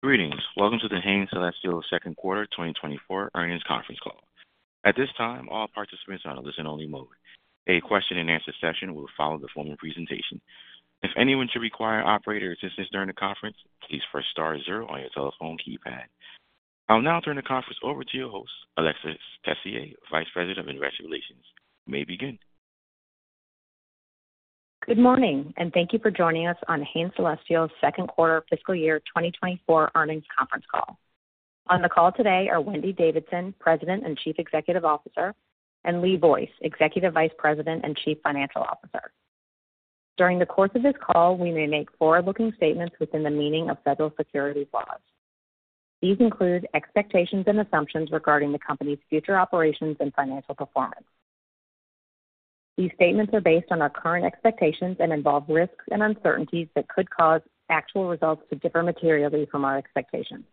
Greetings. Welcome to the Hain Celestial second quarter 2024 earnings conference call. At this time, all participants are on a listen-only mode. A question-and-answer session will follow the formal presentation. If anyone should require operator assistance during the conference, please press star zero on your telephone keypad. I'll now turn the conference over to your host, Alexis Tessier, Vice President of Investor Relations. You may begin. Good morning, and thank you for joining us on Hain Celestial's second quarter fiscal year 2024 earnings conference call. On the call today are Wendy Davidson, President and Chief Executive Officer, and Lee Boyce, Executive Vice President and Chief Financial Officer. During the course of this call, we may make forward-looking statements within the meaning of federal securities laws. These include expectations and assumptions regarding the company's future operations and financial performance. These statements are based on our current expectations and involve risks and uncertainties that could cause actual results to differ materially from our expectations.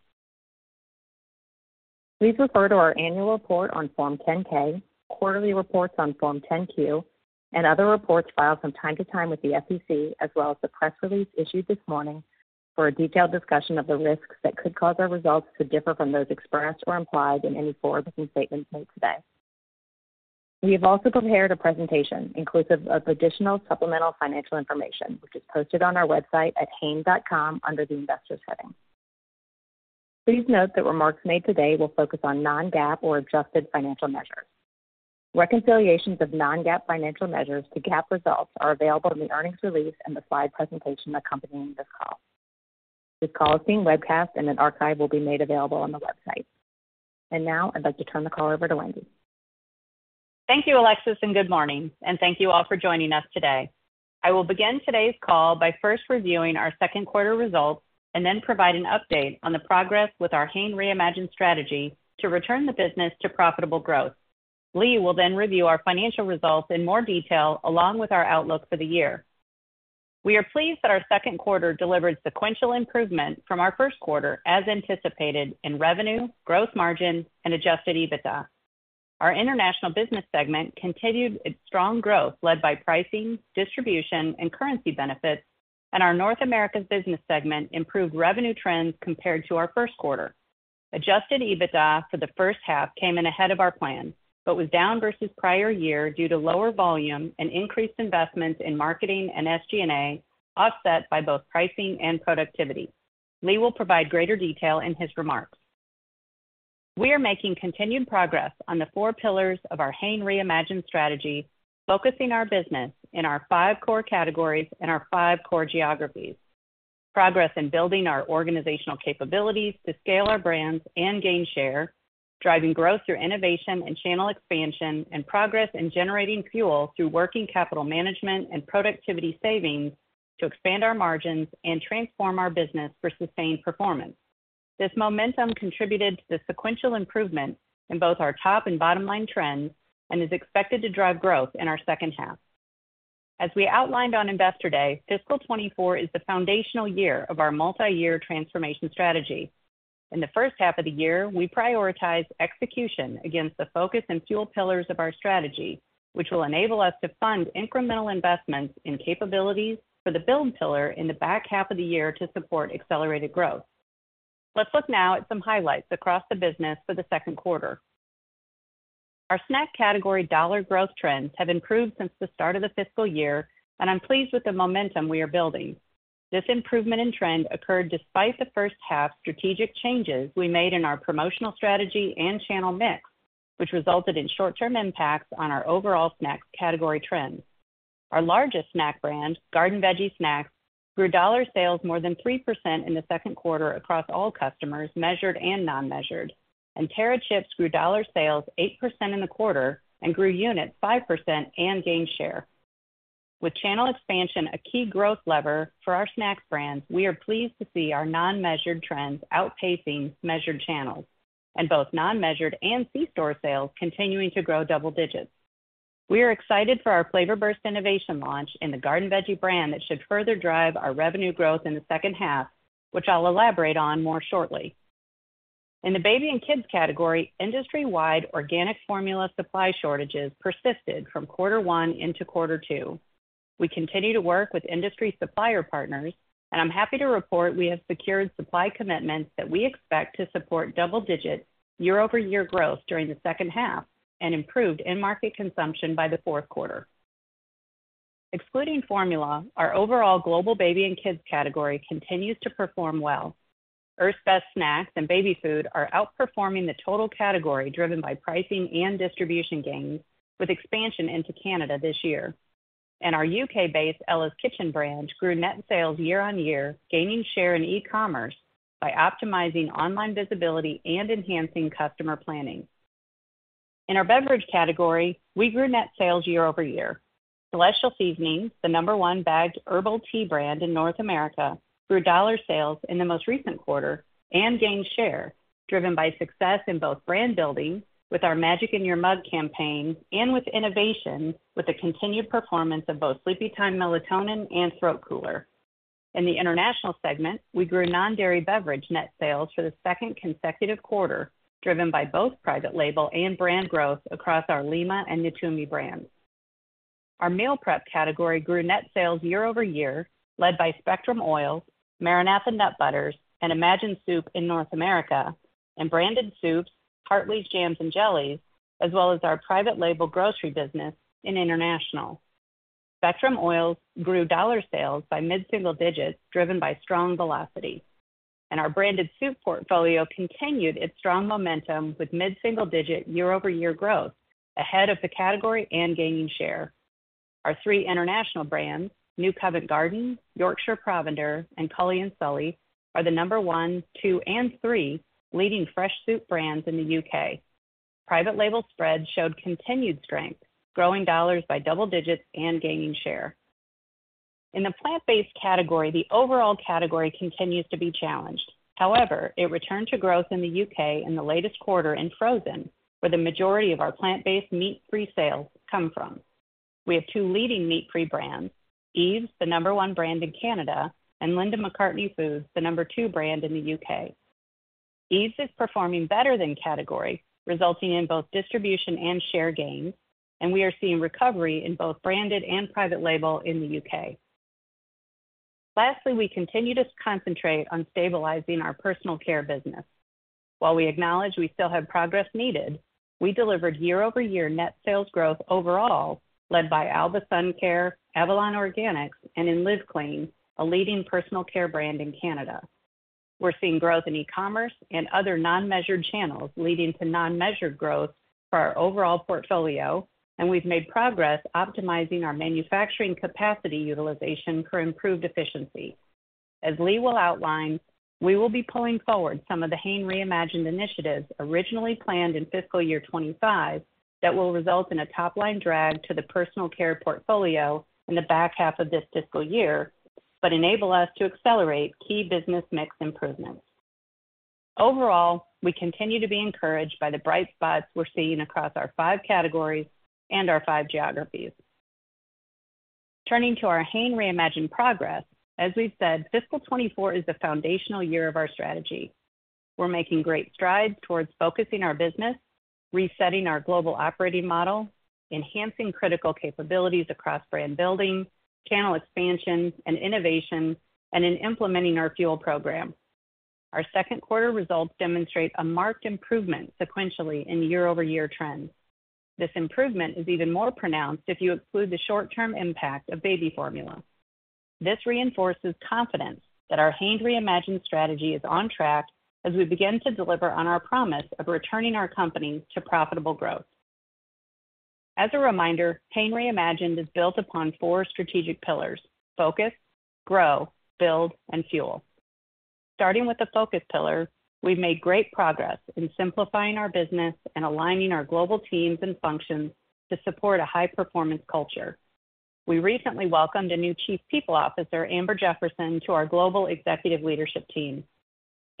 Please refer to our annual report on Form 10-K, quarterly reports on Form 10-Q, and other reports filed from time to time with the SEC, as well as the press release issued this morning for a detailed discussion of the risks that could cause our results to differ from those expressed or implied in any forward-looking statements made today. We have also prepared a presentation inclusive of additional supplemental financial information, which is posted on our website at hain.com under the Investors heading. Please note that remarks made today will focus on non-GAAP or adjusted financial measures. Reconciliations of non-GAAP financial measures to GAAP results are available in the earnings release and the slide presentation accompanying this call. This call is being webcast, and an archive will be made available on the website. And now, I'd like to turn the call over to Wendy. Thank you, Alexis, and good morning, and thank you all for joining us today. I will begin today's call by first reviewing our second quarter results and then provide an update on the progress with our Hain Reimagined strategy to return the business to profitable growth. Lee will then review our financial results in more detail, along with our outlook for the year. We are pleased that our second quarter delivered sequential improvement from our first quarter, as anticipated in revenue, gross margin, and Adjusted EBITDA. Our international business segment continued its strong growth, led by pricing, distribution, and currency benefits, and our North America business segment improved revenue trends compared to our first quarter. Adjusted EBITDA for the first half came in ahead of our plan, but was down versus prior year due to lower volume and increased investments in marketing and SG&A, offset by both pricing and productivity. Lee will provide greater detail in his remarks. We are making continued progress on the four pillars of our Hain Reimagined strategy, focusing our business in our five core categories and our five core geographies. Progress in building our organizational capabilities to scale our brands and gain share, driving growth through innovation and channel expansion, and progress in generating fuel through working capital management and productivity savings to expand our margins and transform our business for sustained performance. This momentum contributed to the sequential improvement in both our top and bottom-line trends and is expected to drive growth in our second half. As we outlined on Investor Day, fiscal 2024 is the foundational year of our multi-year transformation strategy. In the first half of the year, we prioritized execution against the focus and fuel pillars of our strategy, which will enable us to fund incremental investments in capabilities for the build pillar in the back half of the year to support accelerated growth. Let's look now at some highlights across the business for the second quarter. Our snack category dollar growth trends have improved since the start of the fiscal year, and I'm pleased with the momentum we are building. This improvement in trend occurred despite the first half strategic changes we made in our promotional strategy and channel mix, which resulted in short-term impacts on our overall snacks category trends. Our largest snack brand, Garden Veggie Snacks, grew dollar sales more than 3% in the second quarter across all customers, measured and non-measured, and Terra Chips grew dollar sales 8% in the quarter and grew units 5% and gained share. With channel expansion a key growth lever for our snack brands, we are pleased to see our non-measured trends outpacing measured channels and both non-measured and C-store sales continuing to grow double digits. We are excited for our Flavor Burst innovation launch in the Garden Veggie brand that should further drive our revenue growth in the second half, which I'll elaborate on more shortly. In the baby and kids category, industry-wide organic formula supply shortages persisted from quarter one into quarter two. We continue to work with industry supplier partners, and I'm happy to report we have secured supply commitments that we expect to support double-digit year-over-year growth during the second half and improved end market consumption by the fourth quarter. Excluding formula, our overall global baby and kids category continues to perform well. Earth's Best snacks and baby food are outperforming the total category, driven by pricing and distribution gains, with expansion into Canada this year. Our U.K.-based Ella's Kitchen brand grew net sales year-over-year, gaining share in e-commerce by optimizing online visibility and enhancing customer planning. In our beverage category, we grew net sales year-over-year. Celestial Seasonings, the number one bagged herbal tea brand in North America, grew dollar sales in the most recent quarter and gained share, driven by success in both brand building with our Magic in Your Mug campaign and with innovation, with the continued performance of both Sleepytime Melatonin and Throat Cooler. In the international segment, we grew non-dairy beverage net sales for the second consecutive quarter, driven by both private label and brand growth across our Lima and Natumi brands. Our meal prep category grew net sales year-over-year, led by Spectrum oils, MaraNatha nut butters, and Imagine soup in North America, and branded soups, Hartley's jams and jellies, as well as our private label grocery business in international. Spectrum oils grew dollar sales by mid-single digits, driven by strong velocity, and our branded soup portfolio continued its strong momentum with mid-single digit year-over-year growth, ahead of the category and gaining share. Our three international brands, New Covent Garden, Yorkshire Provender, and Cully & Sully, are the number one, two, and three leading fresh soup brands in the U.K. Private label spreads showed continued strength, growing dollars by double digits and gaining share. In the plant-based category, the overall category continues to be challenged. However, it returned to growth in the U.K. in the latest quarter in frozen, where the majority of our plant-based meat-free sales come from. We have two leading meat-free brands, Yves, the number 1 brand in Canada, and Linda McCartney Foods, the number two brand in the U.K. Yves is performing better than category, resulting in both distribution and share gains, and we are seeing recovery in both branded and private label in the U.K. Lastly, we continue to concentrate on stabilizing our personal care business. While we acknowledge we still have progress needed, we delivered year-over-year net sales growth overall, led by Alba sun care, Avalon Organics, and in Live Clean, a leading personal care brand in Canada. We're seeing growth in e-commerce and other non-measured channels, leading to non-measured growth for our overall portfolio, and we've made progress optimizing our manufacturing capacity utilization for improved efficiency. As Lee will outline, we will be pulling forward some of the Hain Reimagined initiatives originally planned in fiscal year 2025, that will result in a top-line drag to the personal care portfolio in the back half of this fiscal year, but enable us to accelerate key business mix improvements. Overall, we continue to be encouraged by the bright spots we're seeing across our five categories and our five geographies. Turning to our Hain Reimagined progress, as we've said, fiscal 2024 is the foundational year of our strategy. We're making great strides towards focusing our business, resetting our global operating model, enhancing critical capabilities across brand building, channel expansion and innovation, and in implementing our Fuel program. Our second quarter results demonstrate a marked improvement sequentially in year-over-year trends. This improvement is even more pronounced if you exclude the short-term impact of baby formula. This reinforces confidence that our Hain Reimagined strategy is on track as we begin to deliver on our promise of returning our company to profitable growth. As a reminder, Hain Reimagined is built upon four strategic pillars: Focus, Grow, Build, and Fuel. Starting with the Focus pillar, we've made great progress in simplifying our business and aligning our global teams and functions to support a high-performance culture. We recently welcomed a new Chief People Officer, Amber Jefferson, to our global executive leadership team.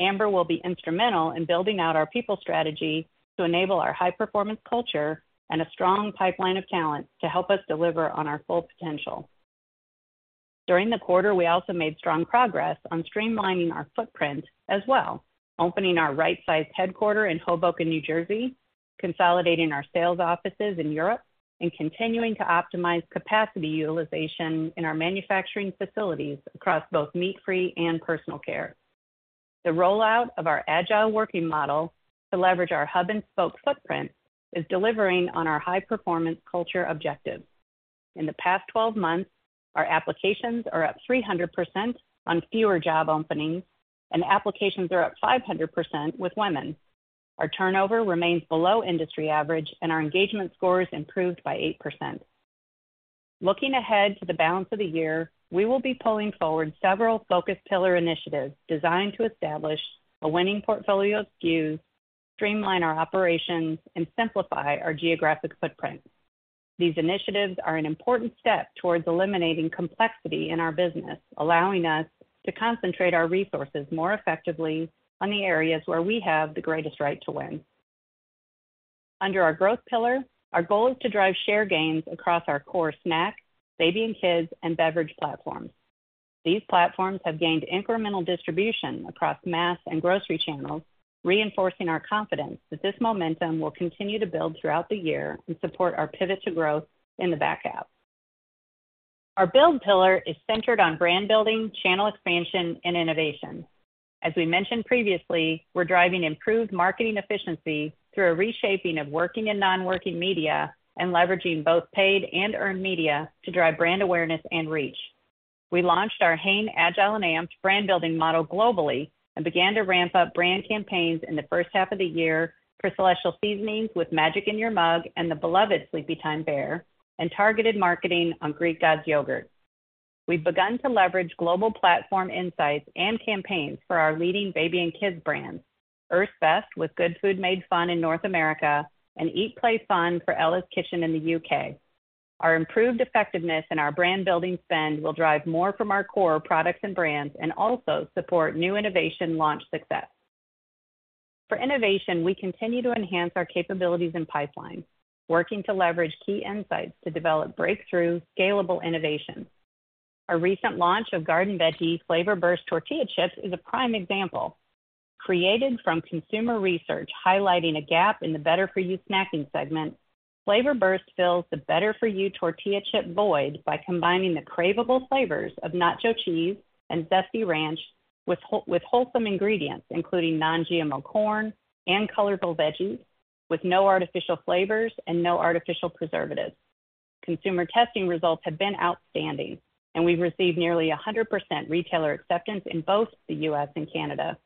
Amber will be instrumental in building out our people strategy to enable our high-performance culture and a strong pipeline of talent to help us deliver on our full potential. During the quarter, we also made strong progress on streamlining our footprint as well, opening our right-sized headquarters in Hoboken, New Jersey, consolidating our sales offices in Europe, and continuing to optimize capacity utilization in our manufacturing facilities across both meat-free and personal care. The rollout of our agile working model to leverage our hub-and-spoke footprint is delivering on our high-performance culture objective. In the past 12 months, our applications are up 300% on fewer job openings, and applications are up 500% with women. Our turnover remains below industry average, and our engagement scores improved by 8%. Looking ahead to the balance of the year, we will be pulling forward several Focus pillar initiatives designed to establish a winning portfolio of SKUs, streamline our operations, and simplify our geographic footprint. These initiatives are an important step towards eliminating complexity in our business, allowing us to concentrate our resources more effectively on the areas where we have the greatest right to win. Under our Growth pillar, our goal is to drive share gains across our core snack, baby and kids, and beverage platforms. These platforms have gained incremental distribution across mass and grocery channels, reinforcing our confidence that this momentum will continue to build throughout the year and support our pivot to growth in the back half. Our Build pillar is centered on brand building, channel expansion, and innovation. As we mentioned previously, we're driving improved marketing efficiency through a reshaping of working and non-working media and leveraging both paid and earned media to drive brand awareness and reach. We launched our Hain Agile and Amped brand building model globally and began to ramp up brand campaigns in the first half of the year for Celestial Seasonings with Magic in Your Mug and the beloved Sleepytime Bear, and targeted marketing on Greek Gods yogurt. We've begun to leverage global platform insights and campaigns for our leading baby and kids brands, Earth's Best with Good Food Made Fun in North America, and Eat, Play, Fun for Ella's Kitchen in the UK. Our improved effectiveness in our brand building spend will drive more from our core products and brands and also support new innovation launch success. For innovation, we continue to enhance our capabilities and pipelines, working to leverage key insights to develop breakthrough scalable innovations. Our recent launch of Garden Veggie Flavor Burst tortilla chips is a prime example. Created from consumer research highlighting a gap in the better for you snacking segment, Flavor Burst fills the better for you tortilla chip void by combining the craveable flavors of nacho cheese and zesty ranch with wholesome ingredients, including non-GMO corn and colorful veggies, with no artificial flavors and no artificial preservatives. Consumer testing results have been outstanding, and we've received nearly 100% retailer acceptance in both the U.S. and Canada.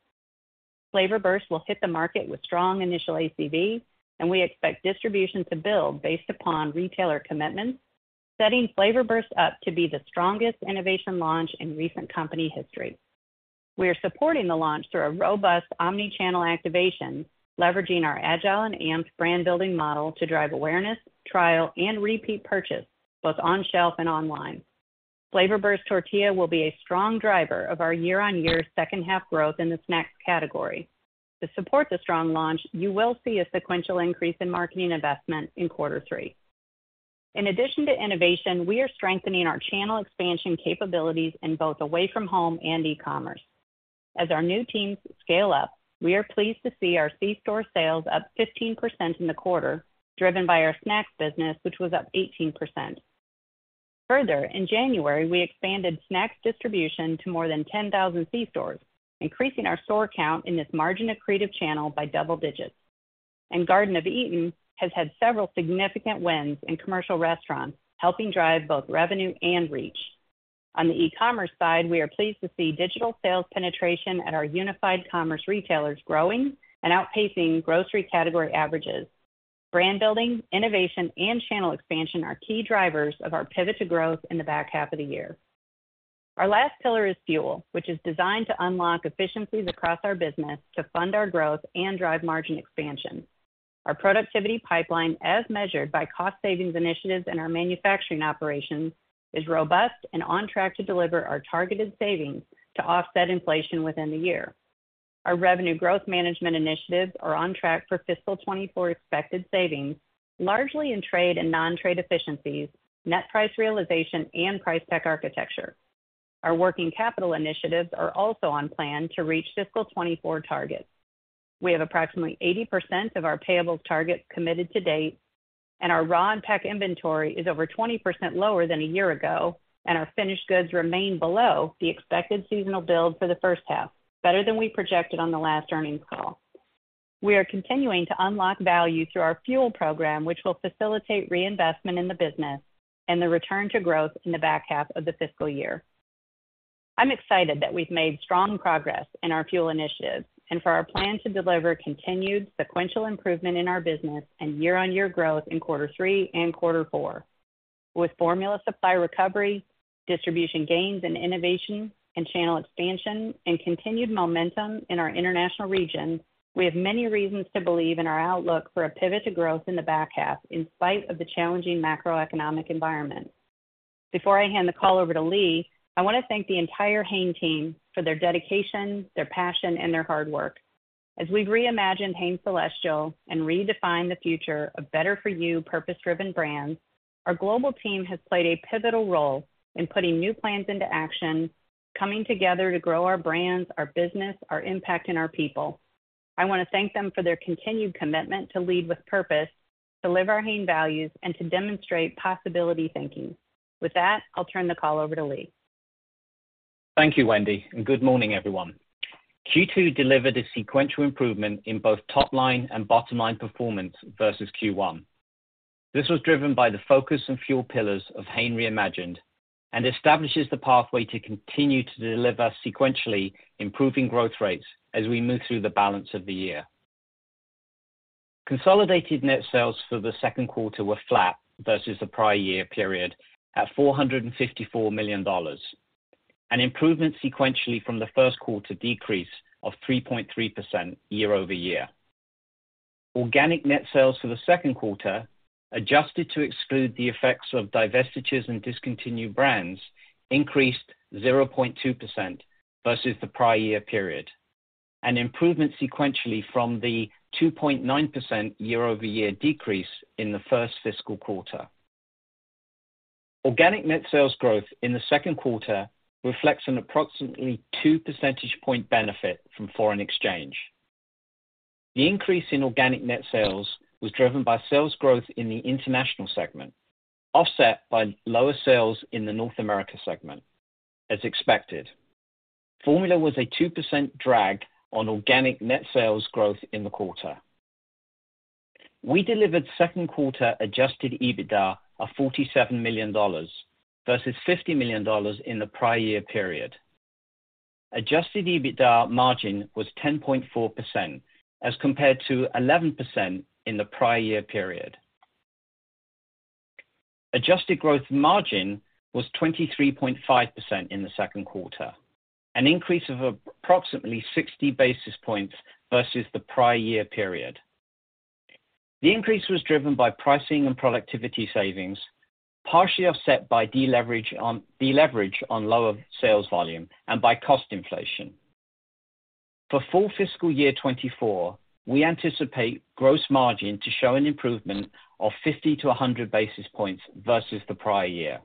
Flavor Burst will hit the market with strong initial ACV, and we expect distribution to build based upon retailer commitments, setting Flavor Burst up to be the strongest innovation launch in recent company history. We are supporting the launch through a robust omni-channel activation, leveraging our agile and Amped brand building model to drive awareness, trial, and repeat purchase, both on-shelf and online. Flavor Burst tortilla will be a strong driver of our year-on-year second half growth in the snacks category. To support the strong launch, you will see a sequential increase in marketing investment in quarter three. In addition to innovation, we are strengthening our channel expansion capabilities in both away from home and e-commerce. As our new teams scale up, we are pleased to see our C-store sales up 15% in the quarter, driven by our snacks business, which was up 18%. Further, in January, we expanded snacks distribution to more than 10,000 C-stores, increasing our store count in this margin-accretive channel by double digits. And Garden of Eatin' has had several significant wins in commercial restaurants, helping drive both revenue and reach. On the e-commerce side, we are pleased to see digital sales penetration at our unified commerce retailers growing and outpacing grocery category averages. Brand building, innovation, and channel expansion are key drivers of our pivot to growth in the back half of the year. Our last pillar is Fuel, which is designed to unlock efficiencies across our business to fund our growth and drive margin expansion. Our productivity pipeline, as measured by cost savings initiatives in our manufacturing operations, is robust and on track to deliver our targeted savings to offset inflation within the year. Our revenue growth management initiatives are on track for fiscal 2024 expected savings, largely in trade and non-trade efficiencies, net price realization, and price pack architecture. Our working capital initiatives are also on plan to reach fiscal 2024 targets. We have approximately 80% of our payables targets committed to date, and our raw and pack inventory is over 20% lower than a year ago, and our finished goods remain below the expected seasonal build for the first half, better than we projected on the last earnings call. We are continuing to unlock value through our Fuel program, which will facilitate reinvestment in the business and the return to growth in the back half of the fiscal year. I'm excited that we've made strong progress in our Fuel initiatives and for our plan to deliver continued sequential improvement in our business and year-on-year growth in quarter three and quarter four. With formula supply recovery, distribution gains and innovation and channel expansion, and continued momentum in our international region, we have many reasons to believe in our outlook for a pivot to growth in the back half, in spite of the challenging macroeconomic environment. Before I hand the call over to Lee, I want to thank the entire Hain team for their dedication, their passion, and their hard work. As we've reimagined Hain Celestial and redefined the future of better for you, purpose-driven brands, our global team has played a pivotal role in putting new plans into action, coming together to grow our brands, our business, our impact, and our people. I want to thank them for their continued commitment to lead with purpose, deliver our Hain values, and to demonstrate possibility thinking. With that, I'll turn the call over to Lee. Thank you, Wendy, and good morning, everyone. Q2 delivered a sequential improvement in both top line and bottom line performance versus Q1. This was driven by the Focus and Fuel pillars of Hain Reimagined, and establishes the pathway to continue to deliver sequentially improving growth rates as we move through the balance of the year. Consolidated net sales for the second quarter were flat versus the prior year period, at $454 million, an improvement sequentially from the first quarter decrease of 3.3% year-over-year. Organic net sales for the second quarter, adjusted to exclude the effects of divestitures and discontinued brands, increased 0.2% versus the prior year period, an improvement sequentially from the 2.9% year-over-year decrease in the first fiscal quarter. Organic net sales growth in the second quarter reflects an approximately 2 percentage point benefit from foreign exchange. The increase in organic net sales was driven by sales growth in the international segment, offset by lower sales in the North America segment, as expected. Formula was a 2% drag on organic net sales growth in the quarter. We delivered second quarter Adjusted EBITDA of $47 million, versus $50 million in the prior year period. Adjusted EBITDA margin was 10.4%, as compared to 11% in the prior year period. Adjusted gross margin was 23.5% in the second quarter, an increase of approximately 60 basis points versus the prior year period. The increase was driven by pricing and productivity savings, partially offset by deleverage on, deleverage on lower sales volume and by cost inflation.... For full fiscal year 2024, we anticipate gross margin to show an improvement of 50-100 basis points versus the prior year.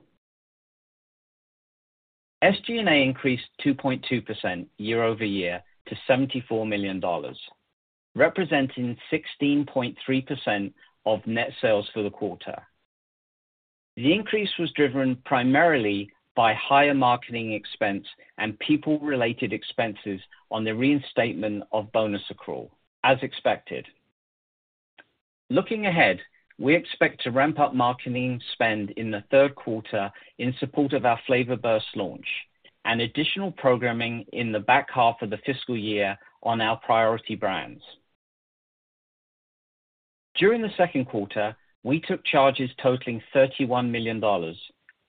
SG&A increased 2.2% year-over-year to $74 million, representing 16.3% of net sales for the quarter. The increase was driven primarily by higher marketing expense and people-related expenses on the reinstatement of bonus accrual as expected. Looking ahead, we expect to ramp up marketing spend in the third quarter in support of our Flavor Burst launch and additional programming in the back half of the fiscal year on our priority brands. During the second quarter, we took charges totaling $31 million,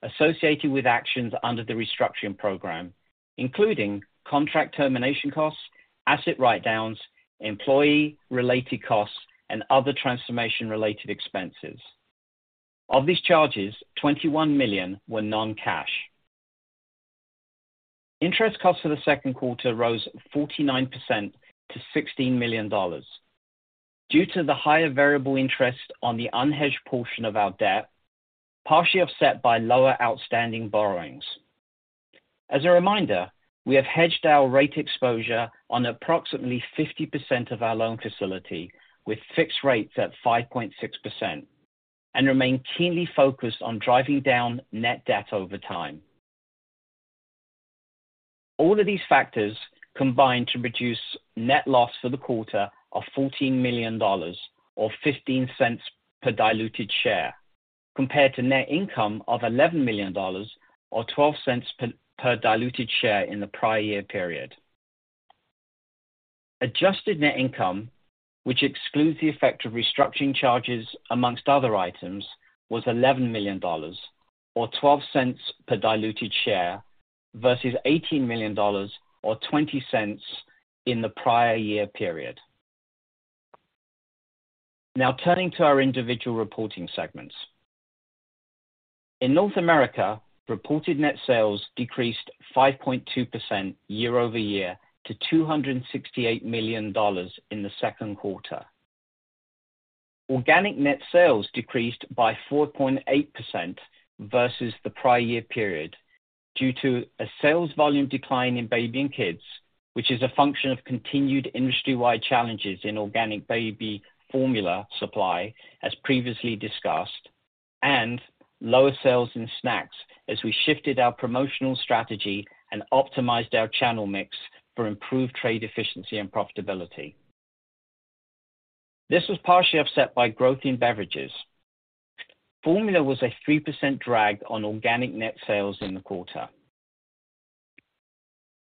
associated with actions under the restructuring program, including contract termination costs, asset write-downs, employee-related costs, and other transformation-related expenses. Of these charges, $21 million were non-cash. Interest costs for the second quarter rose 49% to $16 million, due to the higher variable interest on the unhedged portion of our debt, partially offset by lower outstanding borrowings. As a reminder, we have hedged our rate exposure on approximately 50% of our loan facility, with fixed rates at 5.6%, and remain keenly focused on driving down net debt over time. All of these factors combined to produce net loss for the quarter of $14 million or $0.15 per diluted share, compared to net income of $11 million or $0.12 per diluted share in the prior year period. Adjusted net income, which excludes the effect of restructuring charges among other items, was $11 million or $0.12 per diluted share, versus $18 million or $0.20 in the prior year period. Now, turning to our individual reporting segments. In North America, reported net sales decreased 5.2% year over year to $268 million in the second quarter. Organic net sales decreased by 4.8% versus the prior year period, due to a sales volume decline in baby and kids, which is a function of continued industry-wide challenges in organic baby formula supply, as previously discussed, and lower sales in snacks as we shifted our promotional strategy and optimized our channel mix for improved trade efficiency and profitability. This was partially offset by growth in beverages. Formula was a 3% drag on organic net sales in the quarter.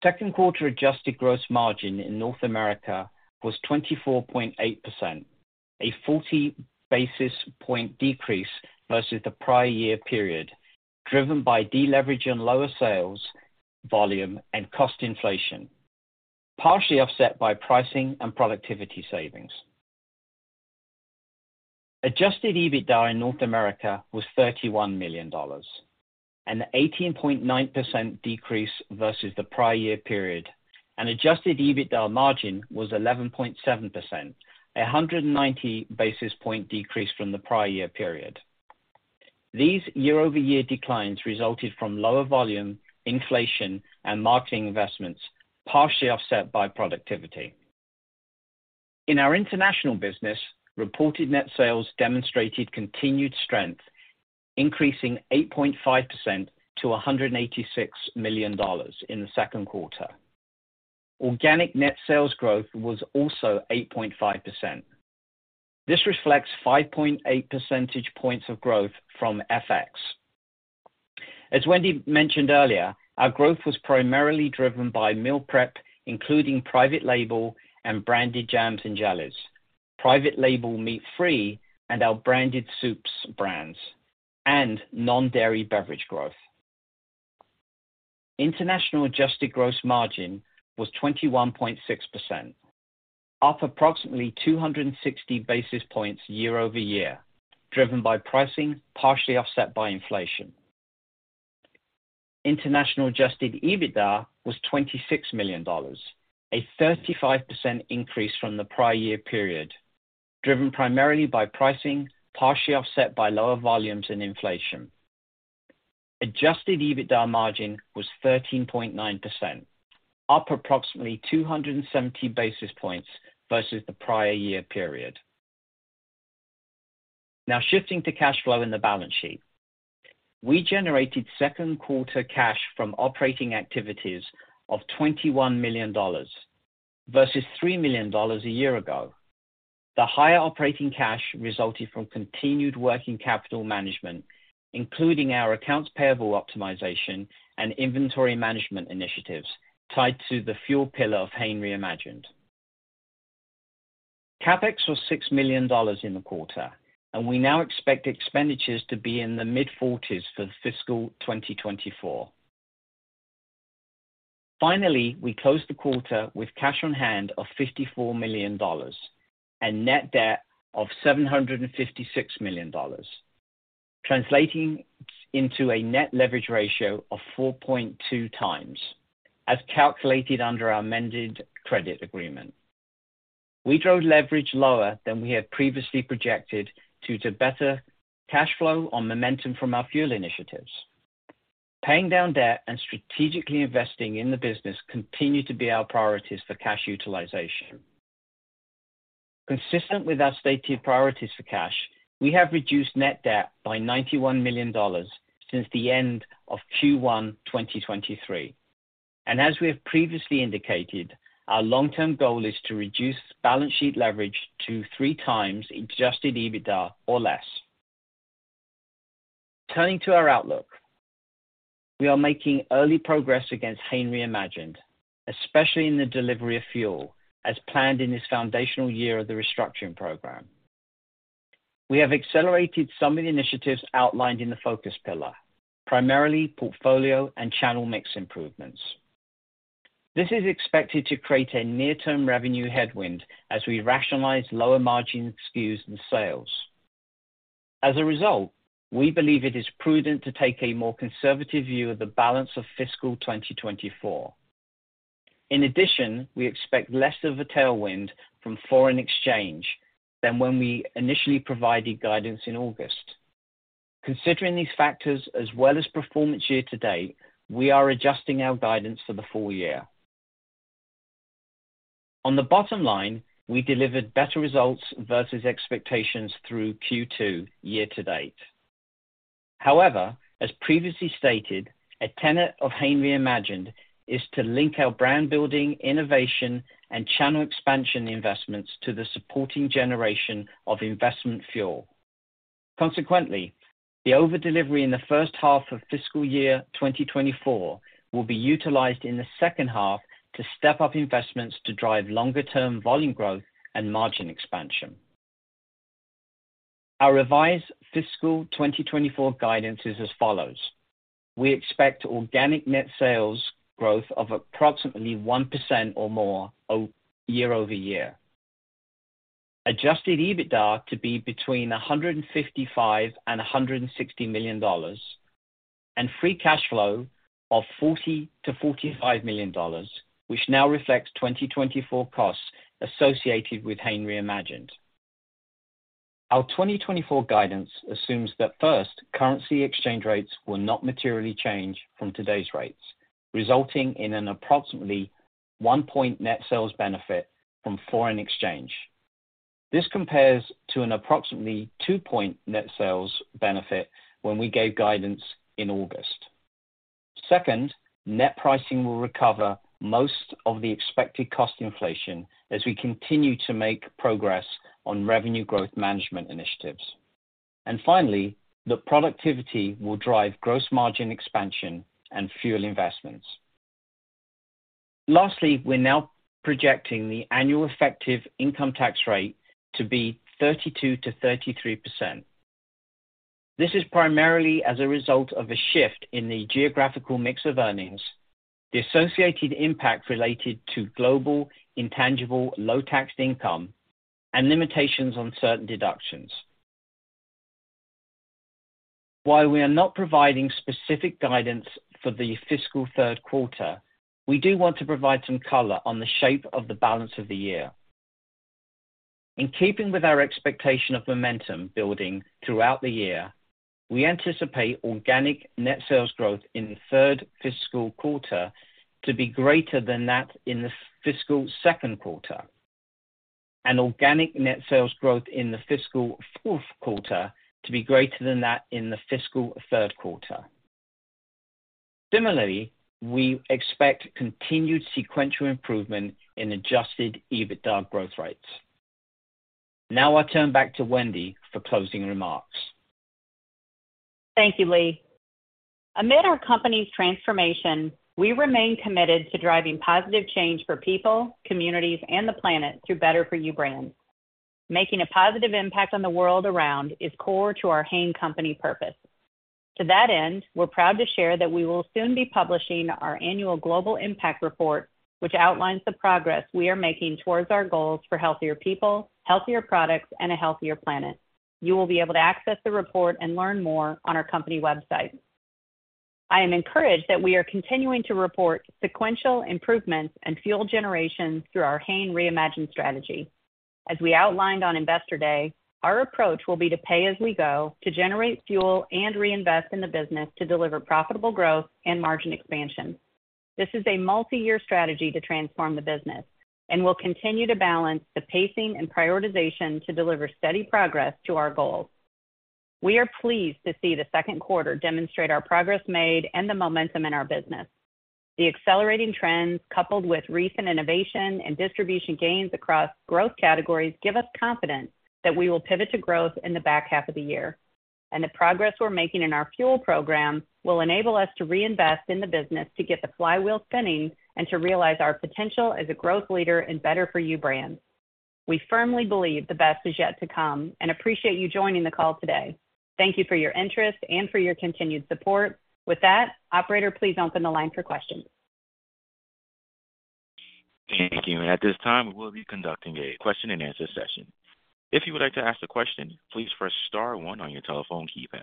Second quarter adjusted gross margin in North America was 24.8%, a 40 basis point decrease versus the prior year period, driven by deleverage and lower sales, volume, and cost inflation, partially offset by pricing and productivity savings. Adjusted EBITDA in North America was $31 million, an 18.9% decrease versus the prior year period, and adjusted EBITDA margin was 11.7%, a 190 basis point decrease from the prior year period. These year-over-year declines resulted from lower volume, inflation, and marketing investments, partially offset by productivity. In our international business, reported net sales demonstrated continued strength, increasing 8.5% to $186 million in the second quarter. Organic net sales growth was also 8.5%. This reflects 5.8 percentage points of growth from FX. As Wendy mentioned earlier, our growth was primarily driven by meal prep, including private label and branded jams and jellies, private label meat-free, and our branded soups brands, and non-dairy beverage growth. International adjusted gross margin was 21.6%, up approximately 260 basis points year-over-year, driven by pricing, partially offset by inflation. International Adjusted EBITDA was $26 million, a 35% increase from the prior year period, driven primarily by pricing, partially offset by lower volumes and inflation. Adjusted EBITDA margin was 13.9%, up approximately 270 basis points versus the prior year period. Now, shifting to cash flow in the balance sheet. We generated second quarter cash from operating activities of $21 million versus $3 million a year ago. The higher operating cash resulted from continued working capital management, including our accounts payable optimization and inventory management initiatives tied to the fuel pillar of Hain Reimagined. CapEx was $6 million in the quarter, and we now expect expenditures to be in the mid-40s for the fiscal 2024. Finally, we closed the quarter with cash on hand of $54 million and net debt of $756 million, translating into a net leverage ratio of 4.2 times, as calculated under our amended credit agreement. We drove leverage lower than we had previously projected, due to better cash flow on momentum from our fuel initiatives. Paying down debt and strategically investing in the business continued to be our priorities for cash utilization. Consistent with our stated priorities for cash, we have reduced net debt by $91 million since the end of Q1 2023. As we have previously indicated, our long-term goal is to reduce balance sheet leverage to 3x Adjusted EBITDA or less. Turning to our outlook, we are making early progress against Hain Reimagined, especially in the delivery of fuel, as planned in this foundational year of the restructuring program. We have accelerated some of the initiatives outlined in the focus pillar, primarily portfolio and channel mix improvements. This is expected to create a near-term revenue headwind as we rationalize lower margin SKUs and sales. As a result, we believe it is prudent to take a more conservative view of the balance of fiscal 2024. In addition, we expect less of a tailwind from foreign exchange than when we initially provided guidance in August. Considering these factors, as well as performance year to date, we are adjusting our guidance for the full year. On the bottom line, we delivered better results versus expectations through Q2 year to date. However, as previously stated, a tenet of Hain Reimagined is to link our brand building, innovation, and channel expansion investments to the supporting generation of investment fuel. Consequently, the over-delivery in the first half of fiscal year 2024 will be utilized in the second half to step up investments to drive longer term volume growth and margin expansion. Our revised fiscal 2024 guidance is as follows: We expect organic net sales growth of approximately 1% or more year-over-year. Adjusted EBITDA to be between $155 million and $160 million, and free cash flow of $40 million-$45 million, which now reflects 2024 costs associated with Hain Reimagined. Our 2024 guidance assumes that first, currency exchange rates will not materially change from today's rates, resulting in an approximately one-point net sales benefit from foreign exchange. This compares to an approximately two-point net sales benefit when we gave guidance in August. Second, net pricing will recover most of the expected cost inflation as we continue to make progress on revenue growth management initiatives. And finally, the productivity will drive gross margin expansion and fuel investments. Lastly, we're now projecting the annual effective income tax rate to be 32%-33%. This is primarily as a result of a shift in the geographical mix of earnings, the associated impact related to Global Intangible Low-Taxed Income, and limitations on certain deductions. While we are not providing specific guidance for the fiscal third quarter, we do want to provide some color on the shape of the balance of the year. In keeping with our expectation of momentum building throughout the year, we anticipate organic net sales growth in the third fiscal quarter to be greater than that in the fiscal second quarter, and organic net sales growth in the fiscal fourth quarter to be greater than that in the fiscal third quarter. Similarly, we expect continued sequential improvement in Adjusted EBITDA growth rates. Now I turn back to Wendy for closing remarks. Thank you, Lee. Amid our company's transformation, we remain committed to driving positive change for people, communities, and the planet through better-for-you brands. Making a positive impact on the world around is core to our Hain company purpose. To that end, we're proud to share that we will soon be publishing our annual Global Impact Report, which outlines the progress we are making towards our goals for healthier people, healthier products, and a healthier planet. You will be able to access the report and learn more on our company website. I am encouraged that we are continuing to report sequential improvements and fuel generation through our Hain Reimagined strategy. As we outlined on Investor Day, our approach will be to pay as we go to generate fuel and reinvest in the business to deliver profitable growth and margin expansion. This is a multi-year strategy to transform the business, and we'll continue to balance the pacing and prioritization to deliver steady progress to our goals. We are pleased to see the second quarter demonstrate our progress made and the momentum in our business. The accelerating trends, coupled with recent innovation and distribution gains across growth categories, give us confidence that we will pivot to growth in the back half of the year, and the progress we're making in our fuel program will enable us to reinvest in the business, to get the flywheel spinning and to realize our potential as a growth leader in Better For You brands. We firmly believe the best is yet to come and appreciate you joining the call today. Thank you for your interest and for your continued support. With that, operator, please open the line for questions. Thank you. At this time, we will be conducting a question-and-answer session. If you would like to ask a question, please press star one on your telephone keypad.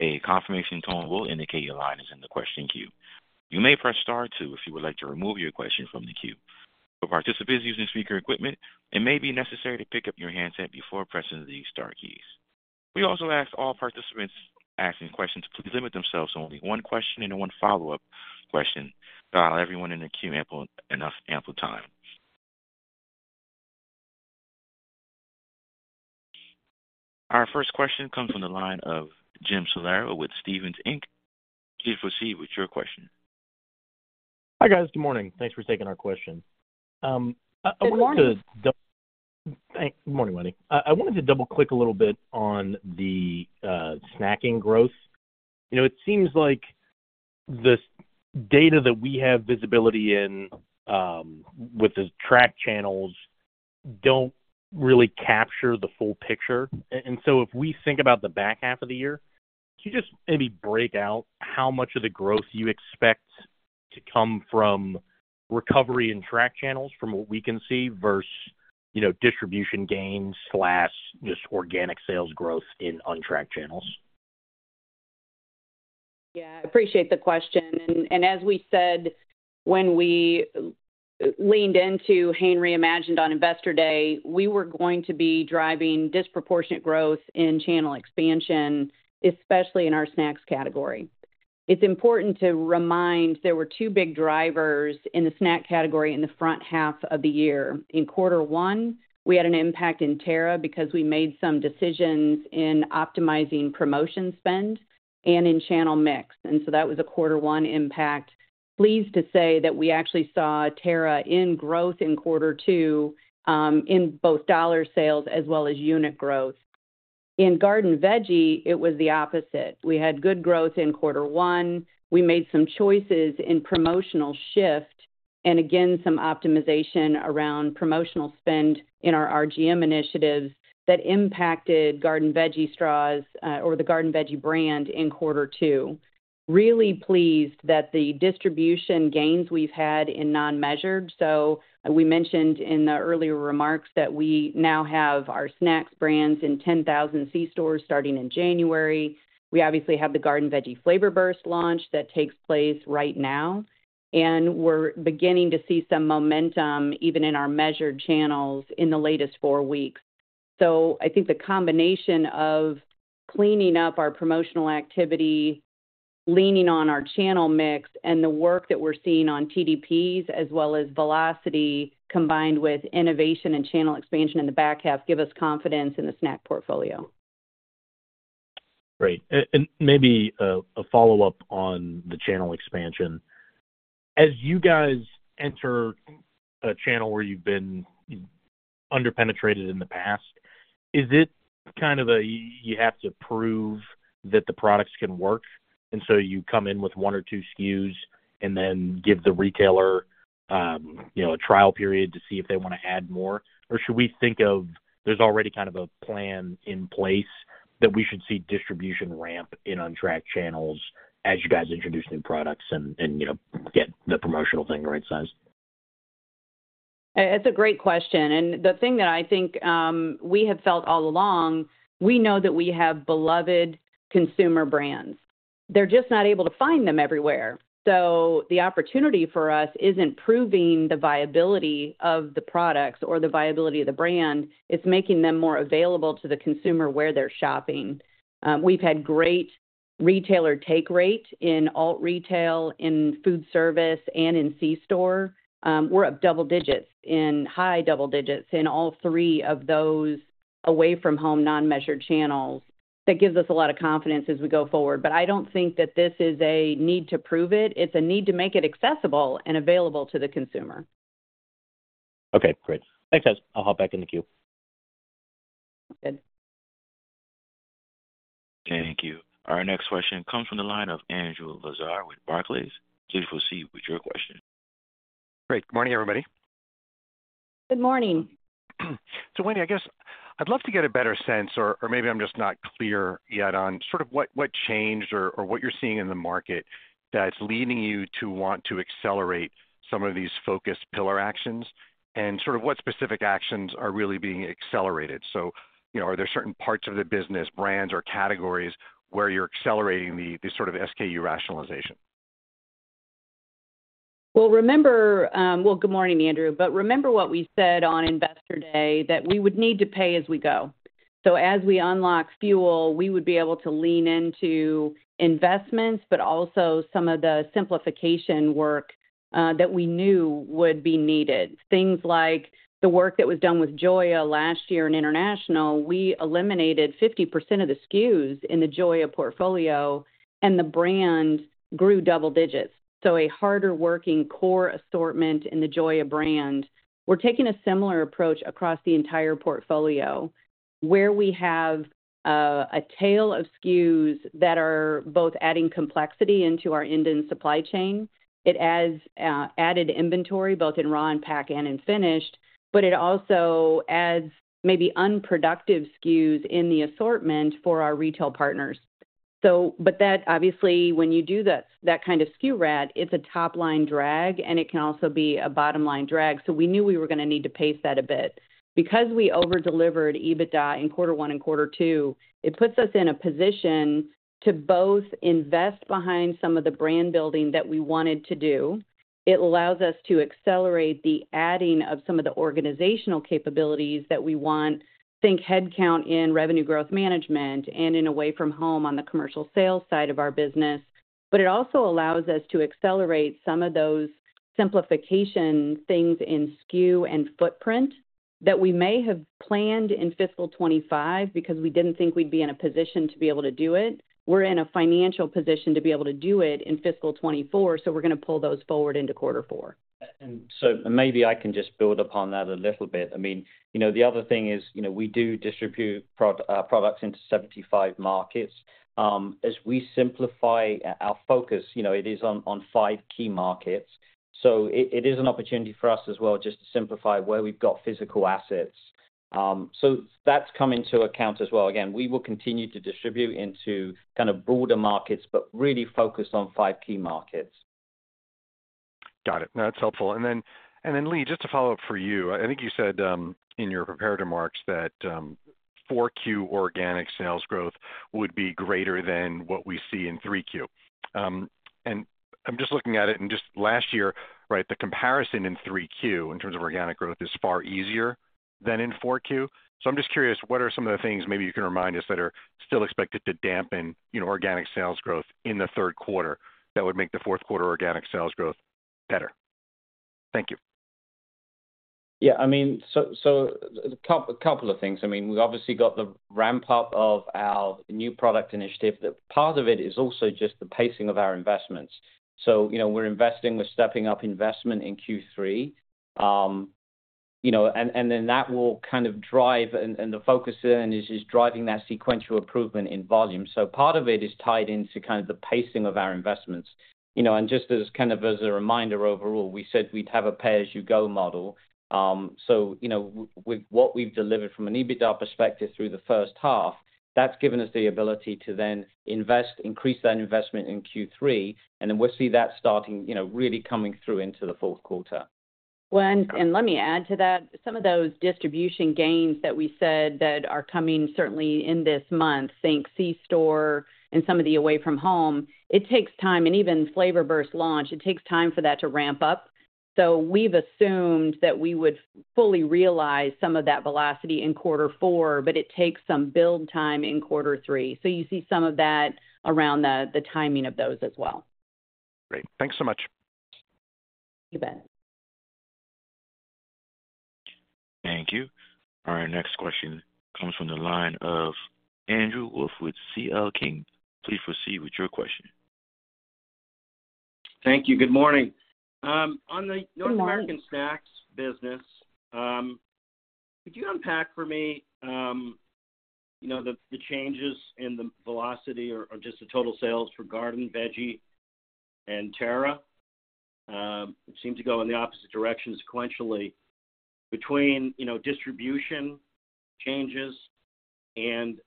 A confirmation tone will indicate your line is in the question queue. You may press star two if you would like to remove your question from the queue. For participants using speaker equipment, it may be necessary to pick up your handset before pressing the star keys. We also ask all participants asking questions to please limit themselves to only one question and one follow-up question to allow everyone in the queue ample time. Our first question comes from the line of Jim Salera with Stephens Inc. Please proceed with your question. Hi, guys. Good morning. Thanks for taking our question. I wanted to- Good morning. Good morning, Wendy. I wanted to double-click a little bit on the snacking growth. You know, it seems like the data that we have visibility in with the tracked channels don't really capture the full picture. And so if we think about the back half of the year, could you just maybe break out how much of the growth you expect to come from recovery and tracked channels from what we can see versus, you know, distribution gains, slash, just organic sales growth in untracked channels? Yeah, appreciate the question. And as we said, when we leaned into Hain Reimagined on Investor Day, we were going to be driving disproportionate growth in channel expansion, especially in our snacks category. It's important to remind there were two big drivers in the snack category in the front half of the year. In quarter one, we had an impact in Terra because we made some decisions in optimizing promotion spend and in channel mix, and so that was a quarter one impact. Pleased to say that we actually saw Terra in growth in quarter two, in both dollar sales as well as unit growth. In Garden Veggie, it was the opposite. We had good growth in quarter one. We made some choices in promotional shift and again, some optimization around promotional spend in our RGM initiatives that impacted Garden Veggie straws, or the Garden Veggie brand in quarter two. Really pleased that the distribution gains we've had in non-measured. So we mentioned in the earlier remarks that we now have our snacks brands in 10,000 C-stores starting in January. We obviously have the Garden Veggie Flavor Burst launch that takes place right now, and we're beginning to see some momentum even in our measured channels in the latest four weeks. So I think the combination of cleaning up our promotional activity, leaning on our channel mix and the work that we're seeing on TDPs, as well as velocity, combined with innovation and channel expansion in the back half, give us confidence in the snack portfolio. Great. And maybe a follow-up on the channel expansion. As you guys enter a channel where you've been underpenetrated in the past, is it kind of a you have to prove that the products can work, and so you come in with one or two SKUs and then give the retailer, you know, a trial period to see if they want to add more? Or should we think of there's already kind of a plan in place that we should see distribution ramp in on track channels as you guys introduce new products and, you know, get the promotional thing right size? It's a great question, and the thing that I think, we have felt all along, we know that we have beloved consumer brands. They're just not able to find them everywhere. So the opportunity for us isn't proving the viability of the products or the viability of the brand. It's making them more available to the consumer where they're shopping. We've had great retailer take rate in alt retail, in food service, and in C-store. We're up double digits, in high double digits in all three of those away-from-home, non-measured channels. That gives us a lot of confidence as we go forward, but I don't think that this is a need to prove it. It's a need to make it accessible and available to the consumer. Okay, great. Thanks, guys. I'll hop back in the queue. Good. Thank you. Our next question comes from the line of Andrew Lazar with Barclays. Please proceed with your question. Great. Good morning, everybody. Good morning. So, Wendy, I guess I'd love to get a better sense, or maybe I'm just not clear yet on sort of what changed or what you're seeing in the market that's leading you to want to accelerate some of these focused pillar actions, and sort of what specific actions are really being accelerated. So, you know, are there certain parts of the business, brands, or categories where you're accelerating the sort of SKU rationalization? Well, remember... good morning, Andrew. But remember what we said on Investor Day, that we would need to pay as we go. So as we unlock fuel, we would be able to lean into investments, but also some of the simplification work that we knew would be needed. Things like the work that was done with Joya last year in international, we eliminated 50% of the SKUs in the Joya portfolio, and the brand grew double digits. So a harder-working core assortment in the Joya brand. We're taking a similar approach across the entire portfolio, where we have a tail of SKUs that are both adding complexity into our end and supply chain. It adds added inventory, both in raw and pack in and finished, but it also adds maybe unproductive SKUs in the assortment for our retail partners. So, but that obviously, when you do that, that kind of SKU rationalization, it's a top-line drag, and it can also be a bottom-line drag. So we knew we were gonna need to pace that a bit. Because we over-delivered EBITDA in quarter one and quarter two, it puts us in a position to both invest behind some of the brand building that we wanted to do. It allows us to accelerate the adding of some of the organizational capabilities that we want, think headcount in revenue growth management and in away from home on the commercial sales side of our business. But it also allows us to accelerate some of those simplification things in SKU and footprint that we may have planned in fiscal 2025 because we didn't think we'd be in a position to be able to do it. We're in a financial position to be able to do it in fiscal 2024, so we're gonna pull those forward into quarter four. And so maybe I can just build upon that a little bit. I mean, you know, the other thing is, you know, we do distribute products into 75 markets. As we simplify our focus, you know, it is on five key markets. So it is an opportunity for us as well just to simplify where we've got physical assets. So that's come into account as well. Again, we will continue to distribute into kind of broader markets, but really focus on five key markets. Got it. That's helpful. And then, Lee, just to follow up for you, I think you said in your prepared remarks that four Q organic sales growth would be greater than what we see in three Q. And I'm just looking at it, and just last year, right, the comparison in three Q, in terms of organic growth, is far easier than in four Q. So I'm just curious, what are some of the things maybe you can remind us that are still expected to dampen, you know, organic sales growth in the third quarter that would make the fourth quarter organic sales growth better? Thank you. Yeah, I mean, so a couple of things. I mean, we've obviously got the ramp-up of our new product initiative. Part of it is also just the pacing of our investments. So, you know, we're investing, we're stepping up investment in Q3. You know, and then that will kind of drive and the focus there is just driving that sequential improvement in volume. So part of it is tied into kind of the pacing of our investments. You know, and just as kind of as a reminder overall, we said we'd have a pay-as-you-go model. So you know, with what we've delivered from an EBITDA perspective through the first half, that's given us the ability to then invest, increase that investment in Q3, and then we'll see that starting, you know, really coming through into the fourth quarter. Well, and let me add to that. Some of those distribution gains that we said that are coming certainly in this month, think C-store and some of the away from home, it takes time, and even Flavor Burst launch, it takes time for that to ramp up. So we've assumed that we would fully realize some of that velocity in quarter four, but it takes some build time in quarter three. So you see some of that around the timing of those as well. Great. Thanks so much. You bet. Thank you. Our next question comes from the line of Andrew Wolf with CL King. Please proceed with your question. Thank you. Good morning. Good morning. On the North American Snacks business, could you unpack for me, you know, the changes in the velocity or just the total sales for Garden Veggie and Terra? It seemed to go in the opposite direction sequentially between, you know, distribution changes and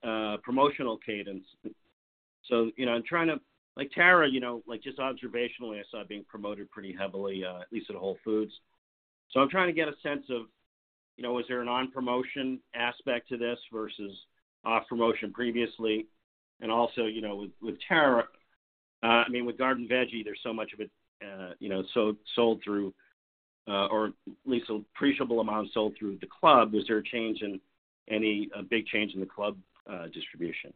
promotional cadence. So, you know, I'm trying to... Like Terra, you know, like, just observationally, I saw it being promoted pretty heavily at least at Whole Foods. So I'm trying to get a sense of, you know, is there a non-promotion aspect to this versus off promotion previously? And also, you know, with Terra, I mean, with Garden Veggie, there's so much of it, you know, sold through or at least an appreciable amount sold through the club. Is there any big change in the club distribution?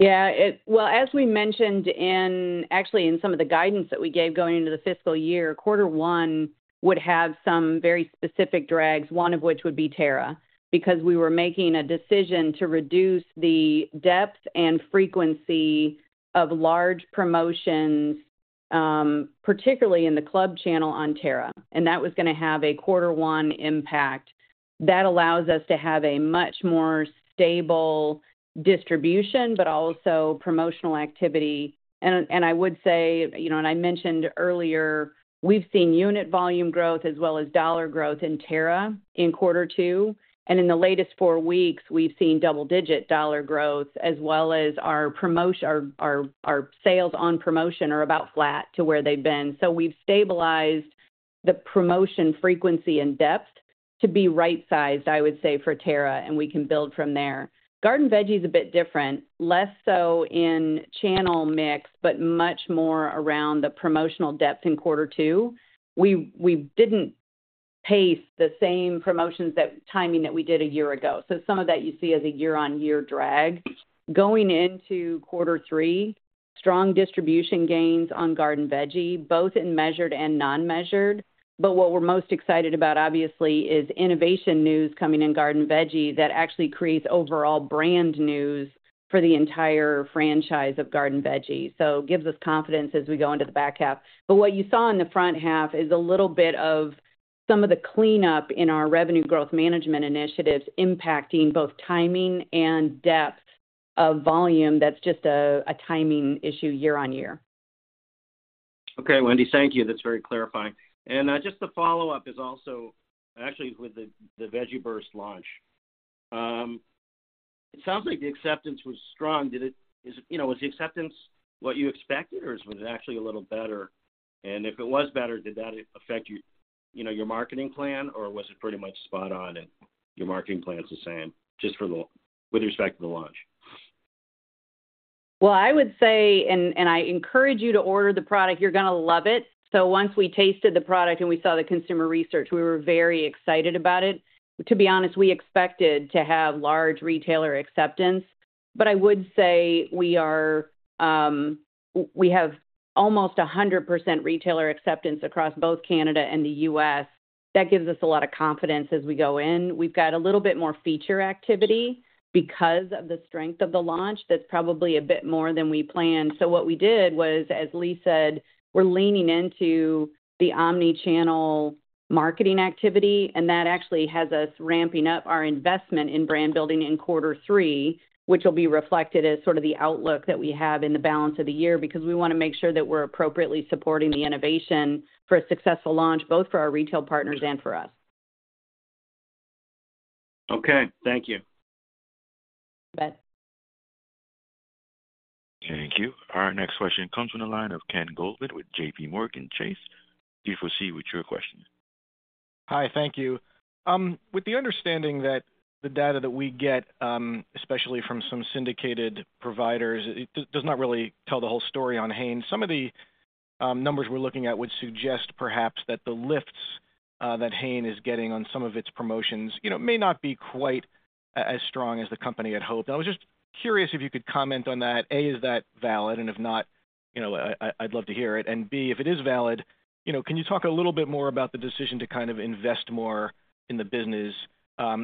Yeah, well, as we mentioned in, actually in some of the guidance that we gave going into the fiscal year, quarter one would have some very specific drags, one of which would be Terra, because we were making a decision to reduce the depth and frequency of large promotions, particularly in the club channel on Terra, and that was gonna have a quarter one impact. That allows us to have a much more stable distribution, but also promotional activity. And I would say, you know, and I mentioned earlier, we've seen unit volume growth as well as dollar growth in Terra in quarter two, and in the latest four weeks, we've seen double-digit dollar growth, as well as our sales on promotion are about flat to where they've been. So we've stabilized the promotion frequency and depth to be right-sized, I would say, for Terra, and we can build from there. Garden Veggie is a bit different, less so in channel mix, but much more around the promotional depth in quarter two. We didn't pace the same promotions, that timing that we did a year ago. So some of that you see as a year-on-year drag. Going into quarter three, strong distribution gains on Garden Veggie, both in measured and non-measured. But what we're most excited about, obviously, is innovation news coming in Garden Veggie that actually creates overall brand news for the entire franchise of Garden Veggie. So it gives us confidence as we go into the back half. But what you saw in the front half is a little bit of some of the cleanup in our revenue growth management initiatives impacting both timing and depth of volume. That's just a timing issue year-on-year. Okay, Wendy, thank you. That's very clarifying. And just the follow-up is also actually with the Veggie Burst launch. It sounds like the acceptance was strong. Is, you know, was the acceptance what you expected, or was it actually a little better? And if it was better, did that affect your, you know, your marketing plan, or was it pretty much spot on and your marketing plan is the same, just for the with respect to the launch? Well, I would say, and I encourage you to order the product, you're gonna love it. So once we tasted the product and we saw the consumer research, we were very excited about it. To be honest, we expected to have large retailer acceptance, but I would say we are, we have almost 100% retailer acceptance across both Canada and the U.S. That gives us a lot of confidence as we go in. We've got a little bit more feature activity because of the strength of the launch. That's probably a bit more than we planned. So what we did was, as Lee said, we're leaning into the omni-channel marketing activity, and that actually has us ramping up our investment in brand building in quarter three, which will be reflected as sort of the outlook that we have in the balance of the year. Because we wanna make sure that we're appropriately supporting the innovation for a successful launch, both for our retail partners and for us. Okay, thank you. You bet. Thank you. Our next question comes from the line of Ken Goldman with JPMorgan Chase. Please proceed with your question. Hi, thank you. With the understanding that the data that we get, especially from some syndicated providers, it does not really tell the whole story on Hain. Some of the numbers we're looking at would suggest perhaps that the lifts that Hain is getting on some of its promotions, you know, may not be quite as strong as the company had hoped. I was just curious if you could comment on that. A, is that valid? And if not, you know, I, I'd love to hear it. And B, if it is valid, you know, can you talk a little bit more about the decision to kind of invest more in the business?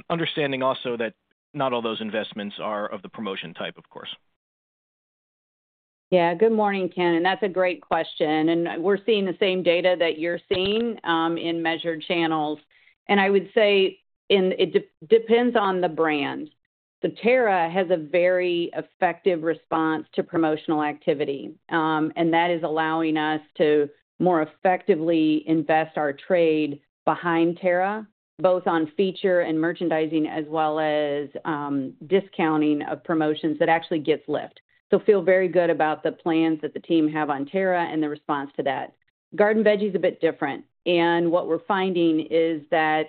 Understanding also that not all those investments are of the promotion type, of course. Yeah. Good morning, Ken, and that's a great question, and we're seeing the same data that you're seeing in measured channels. And I would say, and it depends on the brand. So Terra has a very effective response to promotional activity, and that is allowing us to more effectively invest our trade behind Terra, both on feature and merchandising, as well as discounting of promotions that actually gets lift. So feel very good about the plans that the team have on Terra and the response to that. Garden Veggie is a bit different, and what we're finding is that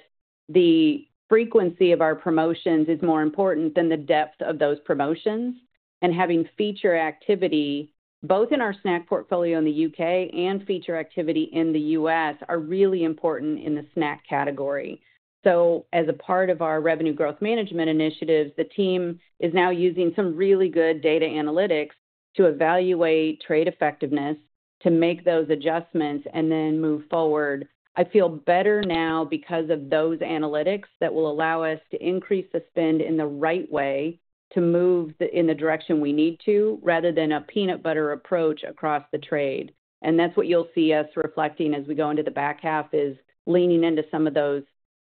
the frequency of our promotions is more important than the depth of those promotions. And having feature activity, both in our snack portfolio in the U.K. and feature activity in the U.S., are really important in the snack category. So as a part of our revenue growth management initiatives, the team is now using some really good data analytics to evaluate trade effectiveness, to make those adjustments and then move forward. I feel better now because of those analytics that will allow us to increase the spend in the right way to move the, in the direction we need to, rather than a peanut butter approach across the trade. And that's what you'll see us reflecting as we go into the back half, is leaning into some of those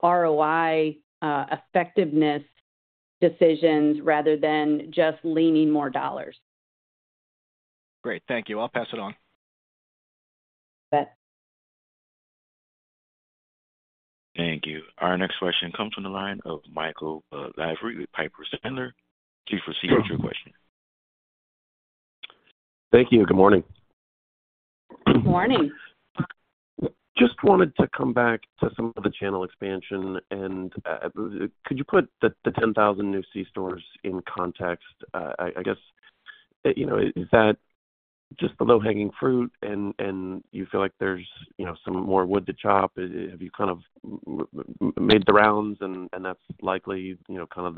ROI, effectiveness decisions rather than just leaning more dollars. Great. Thank you. I'll pass it on. You bet. Thank you. Our next question comes from the line of Michael Lavery with Piper Sandler. Please proceed with your question. Thank you, and good morning. Good morning. Just wanted to come back to some of the channel expansion, and could you put the 10,000 new C-stores in context? I guess, you know, is that just the low-hanging fruit and you feel like there's, you know, some more wood to chop? Have you kind of made the rounds and that's likely, you know, kind of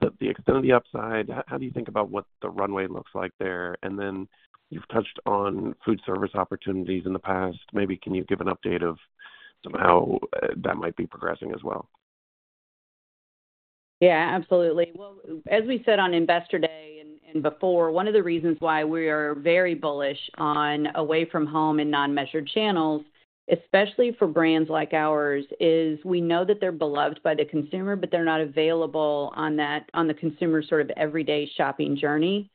the extent of the upside? How do you think about what the runway looks like there? And then you've touched on food service opportunities in the past. Maybe can you give an update on how that might be progressing as well? Yeah, absolutely. Well, as we said on Investor Day and before, one of the reasons why we are very bullish on away from home and non-measured channels, especially for brands like ours, is we know that they're beloved by the consumer, but they're not available on that, on the consumer's sort of everyday shopping journey.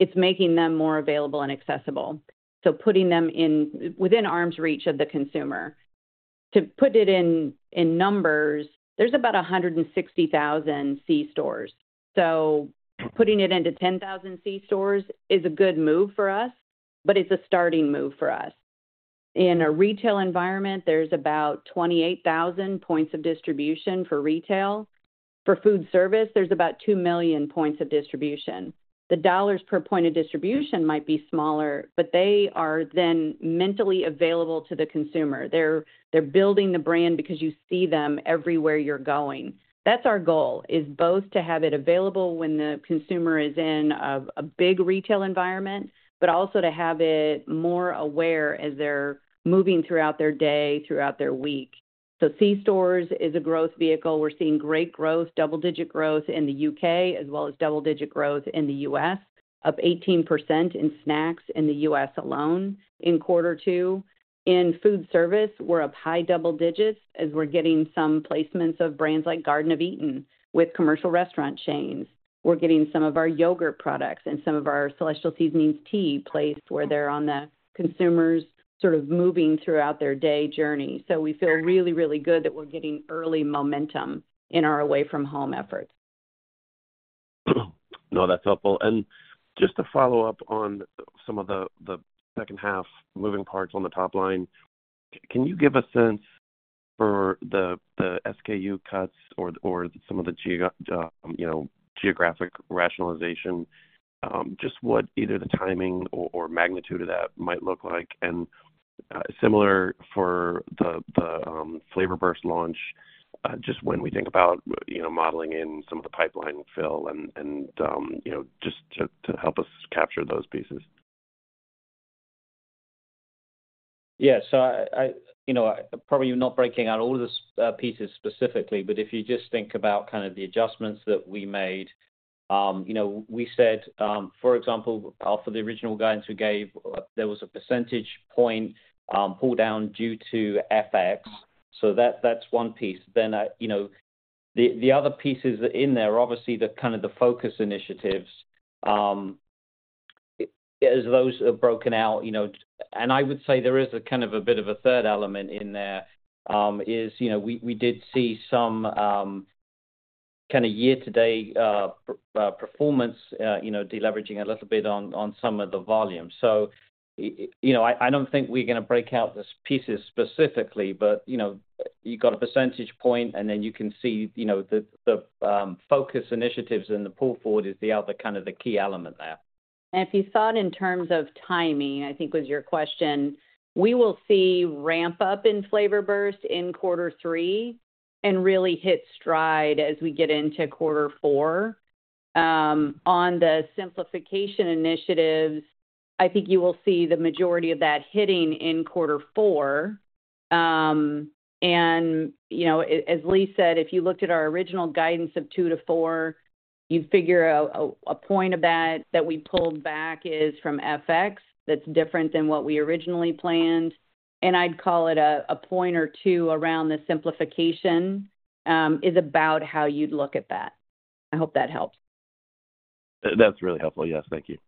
It's making them more available and accessible, so putting them in within arm's reach of the consumer. To put it in numbers, there's about 160,000 C-stores, so putting it into 10,000 C-stores is a good move for us, but it's a starting move for us. In a retail environment, there's about 28,000 points of distribution for retail. For food service, there's about 2 million points of distribution. The $ per point of distribution might be smaller, but they are then mentally available to the consumer. They're, they're building the brand because you see them everywhere you're going. That's our goal, is both to have it available when the consumer is in a big retail environment, but also to have it more aware as they're moving throughout their day, throughout their week. So C-stores is a growth vehicle. We're seeing great growth, double-digit growth in the U.K., as well as double-digit growth in the U.S., up 18% in snacks in the U.S. alone in quarter two. In food service, we're up high double digits as we're getting some placements of brands like Garden of Eatin' with commercial restaurant chains. We're getting some of our yogurt products and some of our Celestial Seasonings tea placed where they're on the consumers, sort of moving throughout their day journey. So we feel really, really good that we're getting early momentum in our away-from-home efforts. No, that's helpful. And just to follow up on some of the second half moving parts on the top line, can you give a sense for the SKU cuts or some of the geographic rationalization, just what either the timing or magnitude of that might look like? And, similar for the Flavor Burst launch, just when we think about, you know, modeling in some of the pipeline fill and, you know, just to help us capture those pieces. Yeah, so I you know, probably not breaking out all of the pieces specifically, but if you just think about kind of the adjustments that we made, you know, we said, for example, for the original guidance we gave, there was a percentage point pull down due to FX. So that's one piece. Then, you know, the other pieces in there are obviously the kind of the focus initiatives. As those are broken out, you know, and I would say there is a kind of a bit of a third element in there, is, you know, we did see some kind of year-to-date performance, you know, deleveraging a little bit on some of the volumes. So, you know, I don't think we're gonna break out the pieces specifically, but, you know, you got a percentage point, and then you can see, you know, the focus initiatives and the pull forward is the other kind of the key element there. If you thought in terms of timing, I think was your question, we will see ramp up in Flavor Burst in quarter three and really hit stride as we get into quarter four. On the simplification initiatives, I think you will see the majority of that hitting in quarter four. And, you know, as Lee said, if you looked at our original guidance of 2-4, you'd figure out a point of that we pulled back is from FX. That's different than what we originally planned, and I'd call it a point or 2 around the simplification is about how you'd look at that. I hope that helps. That's really helpful. Yes, thank you.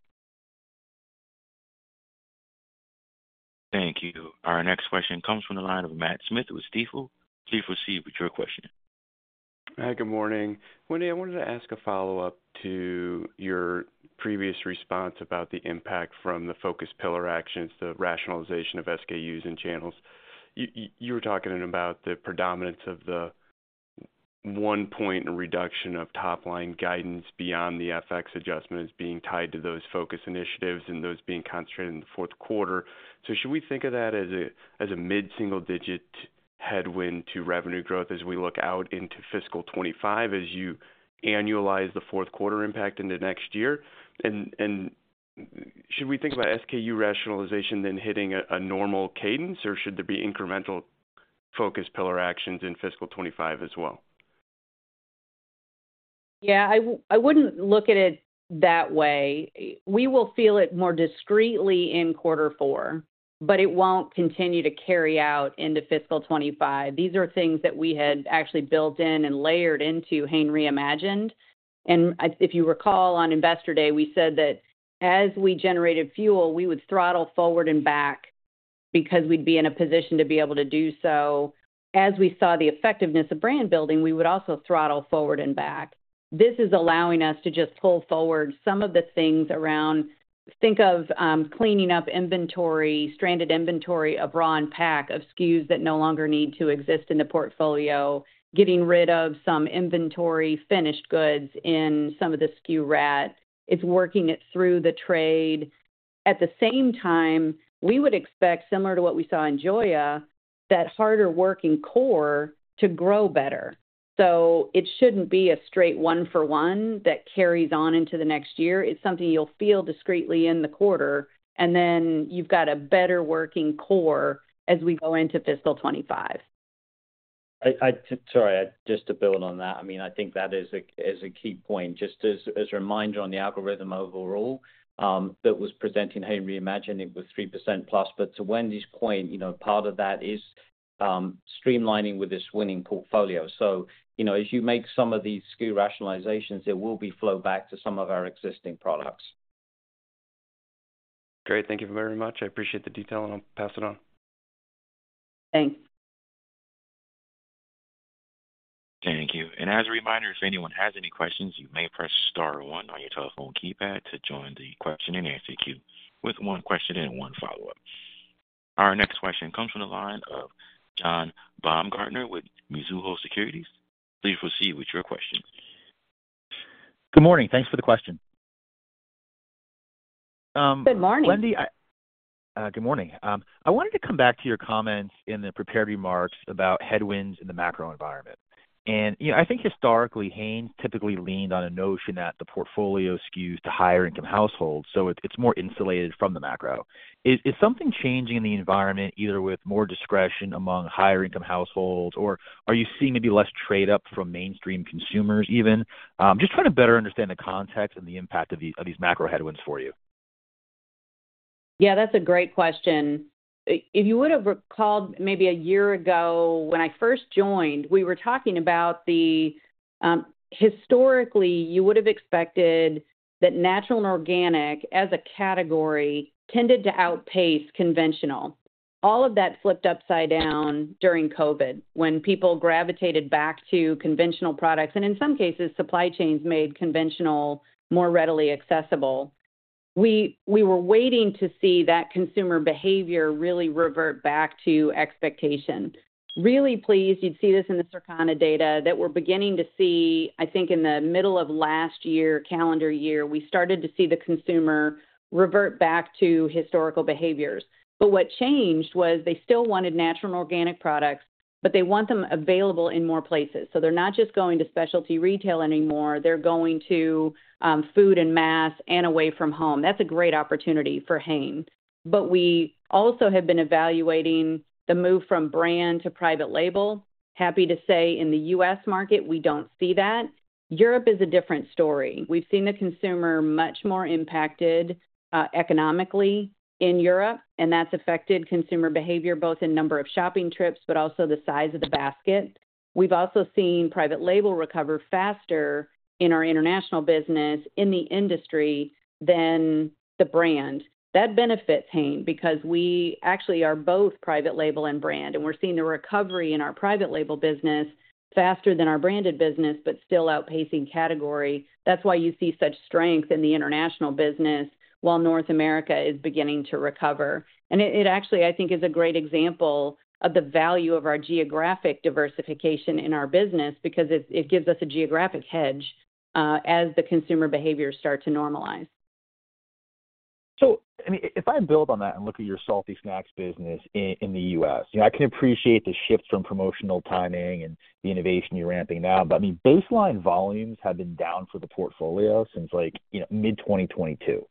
Thank you. Our next question comes from the line of Matt Smith with Stifel. Please proceed with your question. Hi, good morning. Wendy, I wanted to ask a follow-up to your previous response about the impact from the focus pillar actions, the rationalization of SKUs and channels. You were talking about the predominance of the one-point reduction of top-line guidance beyond the FX adjustments being tied to those focus initiatives and those being concentrated in the fourth quarter. So should we think of that as a mid-single-digit headwind to revenue growth as we look out into fiscal 2025, as you annualize the fourth quarter impact into next year? And should we think about SKU rationalization then hitting a normal cadence, or should there be incremental focus pillar actions in fiscal 2025 as well? Yeah, I wouldn't look at it that way. We will feel it more discreetly in quarter four, but it won't continue to carry out into fiscal 2025. These are things that we had actually built in and layered into Hain Reimagined. If you recall, on Investor Day, we said that as we generated fuel, we would throttle forward and back because we'd be in a position to be able to do so. As we saw the effectiveness of brand building, we would also throttle forward and back. This is allowing us to just pull forward some of the things around, think of cleaning up inventory, stranded inventory, of raw pack, of SKUs that no longer need to exist in the portfolio, getting rid of some inventory, finished goods in some of the SKU rat. It's working it through the trade. At the same time, we would expect, similar to what we saw in Joya, that harder working core to grow better. So it shouldn't be a straight one-for-one that carries on into the next year. It's something you'll feel discreetly in the quarter, and then you've got a better working core as we go into fiscal 2025. I-- Sorry, just to build on that, I mean, I think that is a key point. Just as a reminder on the algorithm overall, that was presenting Hain Reimagined, it was 3%+. But to Wendy's point, you know, part of that is streamlining with this winning portfolio. So, you know, as you make some of these SKU rationalizations, it will be flow back to some of our existing products. Great. Thank you very much. I appreciate the detail, and I'll pass it on. Thanks. Thank you. As a reminder, if anyone has any questions, you may press star one on your telephone keypad to join the question-and-answer queue, with one question and one follow-up. Our next question comes from the line of John Baumgartner with Mizuho Securities. Please proceed with your question. Good morning. Thanks for the question. Good morning. Wendy, good morning. I wanted to come back to your comments in the prepared remarks about headwinds in the macro environment. You know, I think historically, Hain typically leaned on a notion that the portfolio SKUs to higher income households, so it's more insulated from the macro. Is something changing in the environment, either with more discretion among higher income households, or are you seeing maybe less trade up from mainstream consumers, even? Just trying to better understand the context and the impact of these macro headwinds for you. Yeah, that's a great question. If you would have recalled, maybe a year ago when I first joined, we were talking about the, historically, you would have expected that natural and organic, as a category, tended to outpace conventional. All of that flipped upside down during COVID, when people gravitated back to conventional products, and in some cases, supply chains made conventional more readily accessible. We were waiting to see that consumer behavior really revert back to expectation. Really pleased, you'd see this in the Circana data, that we're beginning to see, I think in the middle of last year, calendar year, we started to see the consumer revert back to historical behaviors. But what changed was they still wanted natural and organic products, but they want them available in more places. So they're not just going to specialty retail anymore. They're going to food and mass and away from home. That's a great opportunity for Hain. But we also have been evaluating the move from brand to private label. Happy to say, in the U.S. market, we don't see that. Europe is a different story. We've seen the consumer much more impacted economically in Europe, and that's affected consumer behavior, both in number of shopping trips, but also the size of the basket. We've also seen private label recover faster in our international business, in the industry, than the brand. That benefits Hain, because we actually are both private label and brand, and we're seeing the recovery in our private label business faster than our branded business, but still outpacing category. That's why you see such strength in the international business, while North America is beginning to recover. It actually, I think, is a great example of the value of our geographic diversification in our business because it gives us a geographic hedge as the consumer behaviors start to normalize. So, I mean, if I build on that and look at your salty snacks business in, in the US, you know, I can appreciate the shift from promotional timing and the innovation you're ramping now. But, I mean, baseline volumes have been down for the portfolio since, like, you know, mid-2022.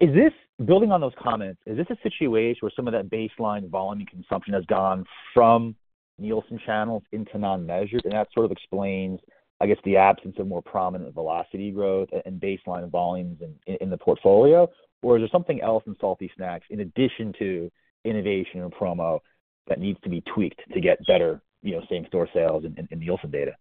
Is this, building on those comments, is this a situation where some of that baseline volume and consumption has gone from Nielsen channels into non-measured, and that sort of explains, I guess, the absence of more prominent velocity growth and baseline volumes in, in the portfolio? Or is there something else in salty snacks, in addition to innovation or promo, that needs to be tweaked to get better, you know, same-store sales in, in the Nielsen data?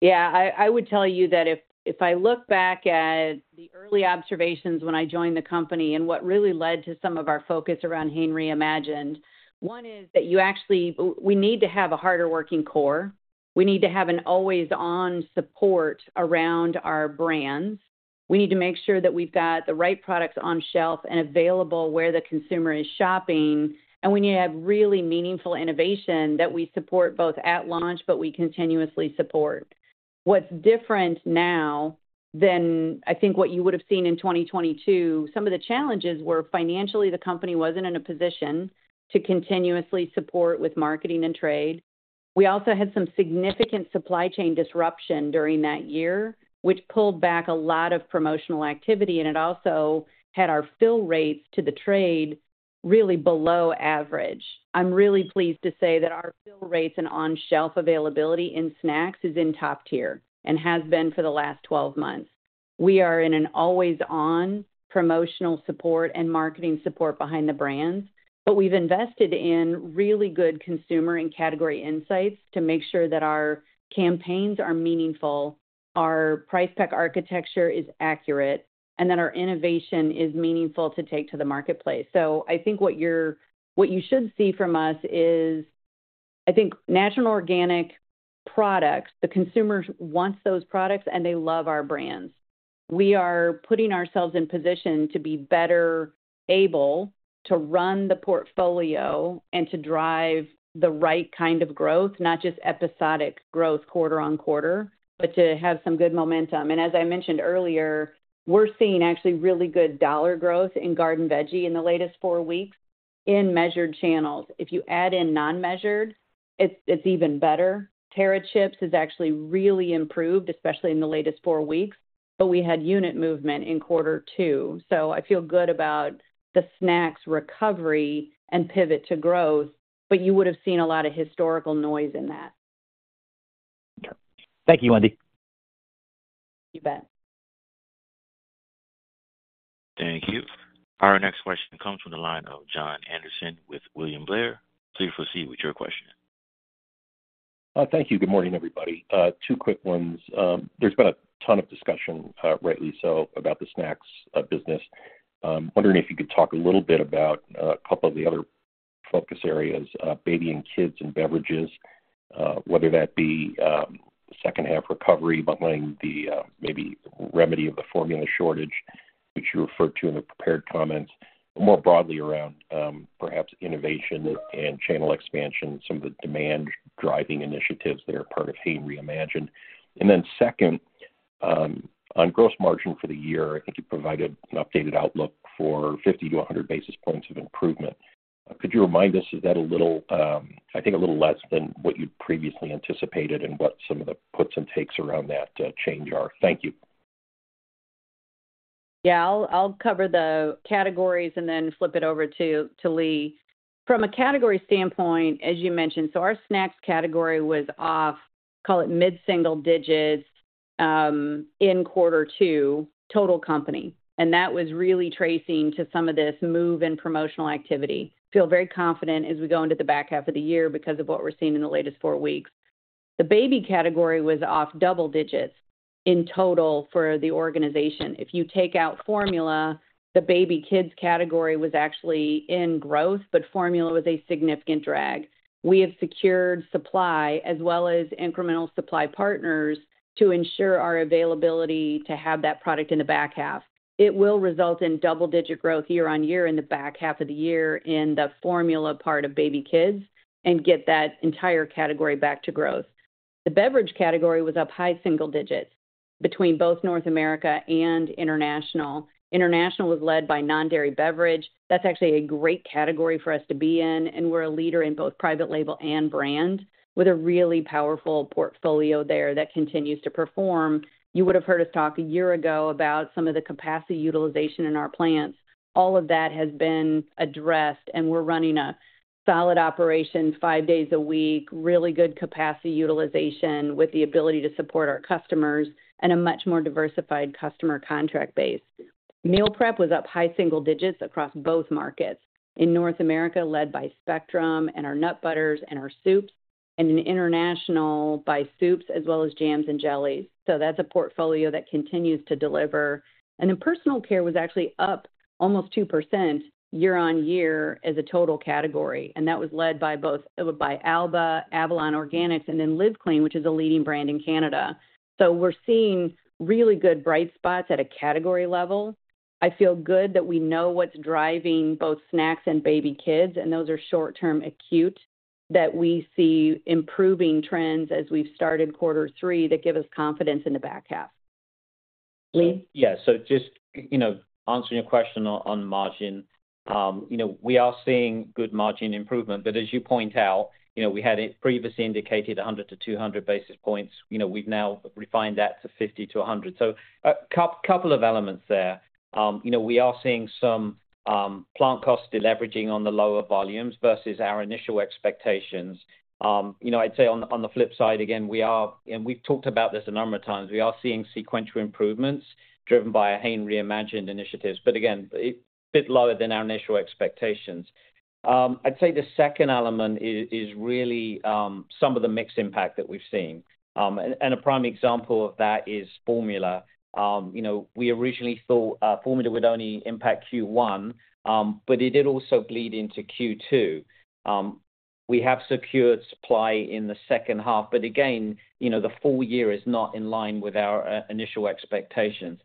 Yeah, I would tell you that if I look back at the early observations when I joined the company and what really led to some of our focus around Hain Reimagined, one is that we need to have a harder working core. We need to have an always-on support around our brands. We need to make sure that we've got the right products on shelf and available where the consumer is shopping, and we need to have really meaningful innovation that we support both at launch, but we continuously support. What's different now than I think what you would have seen in 2022, some of the challenges were financially, the company wasn't in a position to continuously support with marketing and trade. We also had some significant supply chain disruption during that year, which pulled back a lot of promotional activity, and it also had our fill rates to the trade really below average. I'm really pleased to say that our fill rates and on-shelf availability in snacks is in top tier and has been for the last 12 months. We are in an always-on promotional support and marketing support behind the brands, but we've invested in really good consumer and category insights to make sure that our campaigns are meaningful, our price pack architecture is accurate, and that our innovation is meaningful to take to the marketplace. So I think what you should see from us is, I think, natural and organic products, the consumer wants those products, and they love our brands. We are putting ourselves in position to be better able to run the portfolio and to drive the right kind of growth, not just episodic growth quarter on quarter, but to have some good momentum. And as I mentioned earlier, we're seeing actually really good dollar growth in Garden Veggie in the latest four weeks in measured channels. If you add in non-measured, it's even better. Terra chips has actually really improved, especially in the latest four weeks, but we had unit movement in quarter two. So I feel good about the snacks recovery and pivot to growth, but you would have seen a lot of historical noise in that. Thank you, Wendy. You bet. Thank you. Our next question comes from the line of John Anderson with William Blair. Please proceed with your question. Thank you. Good morning, everybody. Two quick ones. There's been a ton of discussion, rightly so, about the snacks business. Wondering if you could talk a little bit about a couple of the other focus areas, baby and kids and beverages, whether that be second half recovery, but when the maybe remedy of the formula shortage, which you referred to in the prepared comments, more broadly around perhaps innovation and channel expansion, some of the demand-driving initiatives that are part of Hain Reimagined. And then second, on gross margin for the year, I think you provided an updated outlook for 50-100 basis points of improvement. Could you remind us, is that a little, I think a little less than what you'd previously anticipated and what some of the puts and takes around that, change are? Thank you. Yeah, I'll cover the categories and then flip it over to Lee. From a category standpoint, as you mentioned, so our snacks category was off mid-single digits in quarter two, total company. And that was really tracing to some of this move in promotional activity. Feel very confident as we go into the back half of the year because of what we're seeing in the latest four weeks. The baby category was off double digits in total for the organization. If you take out formula, the baby kids category was actually in growth, but formula was a significant drag. We have secured supply as well as incremental supply partners to ensure our availability to have that product in the back half. It will result in double-digit growth year-over-year in the back half of the year in the formula part of baby kids and get that entire category back to growth. The beverage category was up high single digits between both North America and international. International was led by non-dairy beverage. That's actually a great category for us to be in, and we're a leader in both private label and brand, with a really powerful portfolio there that continues to perform. You would have heard us talk a year ago about some of the capacity utilization in our plants. All of that has been addressed, and we're running a solid operation five days a week, really good capacity utilization, with the ability to support our customers and a much more diversified customer contract base. Meal prep was up high single digits across both markets. In North America, led by Spectrum and our nut butters and our soups, and in international, by soups as well as jams and jellies. So that's a portfolio that continues to deliver. And then personal care was actually up almost 2% year-on-year as a total category, and that was led by both by Alba, Avalon Organics, and then Live Clean, which is a leading brand in Canada. So we're seeing really good bright spots at a category level. I feel good that we know what's driving both snacks and baby kids, and those are short-term acute, that we see improving trends as we've started quarter three that give us confidence in the back half. Lee? Yeah. So just, you know, answering your question on, on margin, you know, we are seeing good margin improvement, but as you point out, you know, we had it previously indicated 100-200 basis points. You know, we've now refined that to 50-100. So, couple of elements there. You know, we are seeing some plant cost deleveraging on the lower volumes versus our initial expectations. You know, I'd say on the, on the flip side, again, we are, and we've talked about this a number of times, we are seeing sequential improvements driven by Hain Reimagined initiatives. But again, a bit lower than our initial expectations. I'd say the second element is really some of the mix impact that we've seen. And a prime example of that is formula. You know, we originally thought, formula would only impact Q1, but it did also bleed into Q2. We have secured supply in the second half, but again, you know, the full year is not in line with our initial expectations.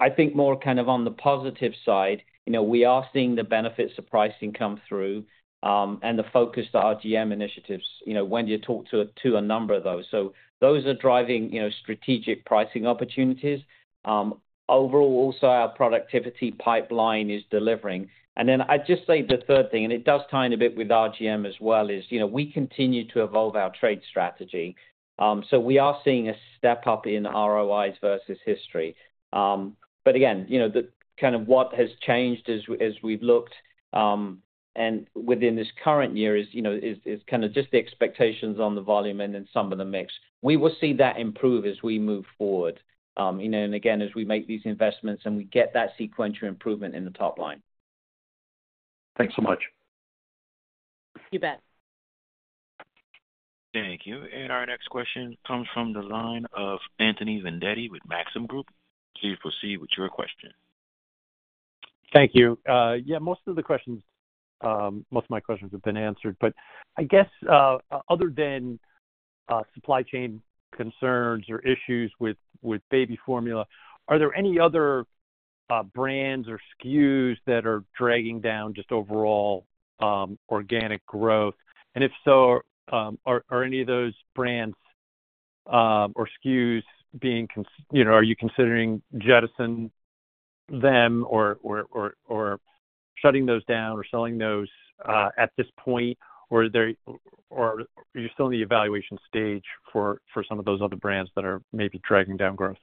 I think more kind of on the positive side, you know, we are seeing the benefits of pricing come through, and the focus to RGM initiatives, you know, when you talk to a number of those. So those are driving, you know, strategic pricing opportunities. Overall, also, our productivity pipeline is delivering. And then I'd just say the third thing, and it does tie in a bit with RGM as well, is, you know, we continue to evolve our trade strategy. So we are seeing a step up in ROIs versus history. But again, you know, the kind of what has changed as we, as we've looked and within this current year is, you know, kind of just the expectations on the volume and then some of the mix. We will see that improve as we move forward, you know, and again, as we make these investments, and we get that sequential improvement in the top line. Thanks so much. You bet. Thank you. Our next question comes from the line of Anthony Vendetti with Maxim Group. Please proceed with your question. Thank you. Yeah, most of the questions, most of my questions have been answered, but I guess, other than supply chain concerns or issues with baby formula, are there any other brands or SKUs that are dragging down just overall organic growth? And if so, are any of those brands or SKUs being—you know, are you considering jettisoning them or shutting those down or selling those at this point? Or are you still in the evaluation stage for some of those other brands that are maybe dragging down growth?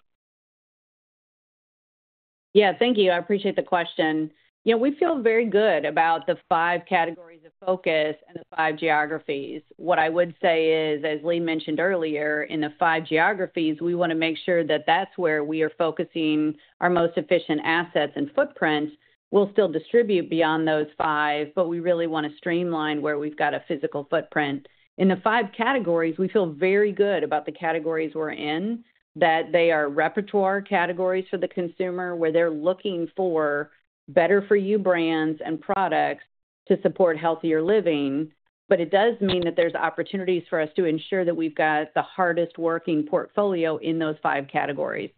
Yeah, thank you. I appreciate the question. You know, we feel very good about the five categories of focus and the five geographies. What I would say is, as Lee mentioned earlier, in the five geographies, we want to make sure that that's where we are focusing our most efficient assets and footprints. We'll still distribute beyond those five, but we really want to streamline where we've got a physical footprint. In the five categories, we feel very good about the categories we're in, that they are repertoire categories for the consumer, where they're looking for better for you brands and products to support healthier living. But it does mean that there's opportunities for us to ensure that we've got the hardest-working portfolio in those five categories.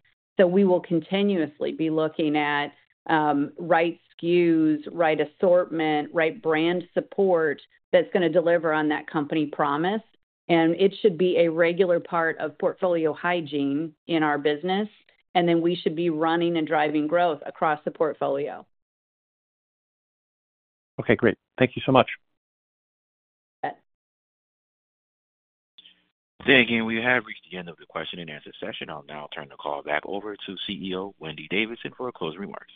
We will continuously be looking at right SKUs, right assortment, right brand support, that's gonna deliver on that company promise, and it should be a regular part of portfolio hygiene in our business, and then we should be running and driving growth across the portfolio. Okay, great. Thank you so much. You bet. Thank you. We have reached the end of the question and answer session. I'll now turn the call back over to CEO, Wendy Davidson, for her closing remarks.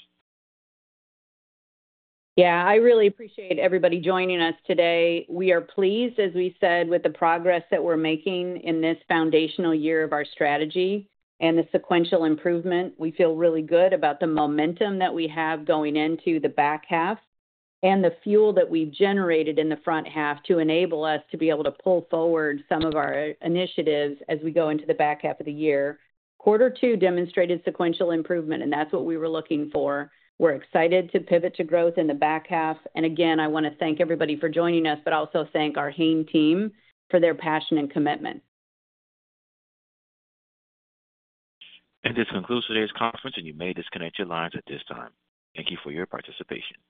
Yeah, I really appreciate everybody joining us today. We are pleased, as we said, with the progress that we're making in this foundational year of our strategy and the sequential improvement. We feel really good about the momentum that we have going into the back half and the fuel that we've generated in the front half to enable us to be able to pull forward some of our initiatives as we go into the back half of the year. Quarter two demonstrated sequential improvement, and that's what we were looking for. We're excited to pivot to growth in the back half. Again, I want to thank everybody for joining us, but also thank our Hain team for their passion and commitment. This concludes today's conference, and you may disconnect your lines at this time. Thank you for your participation.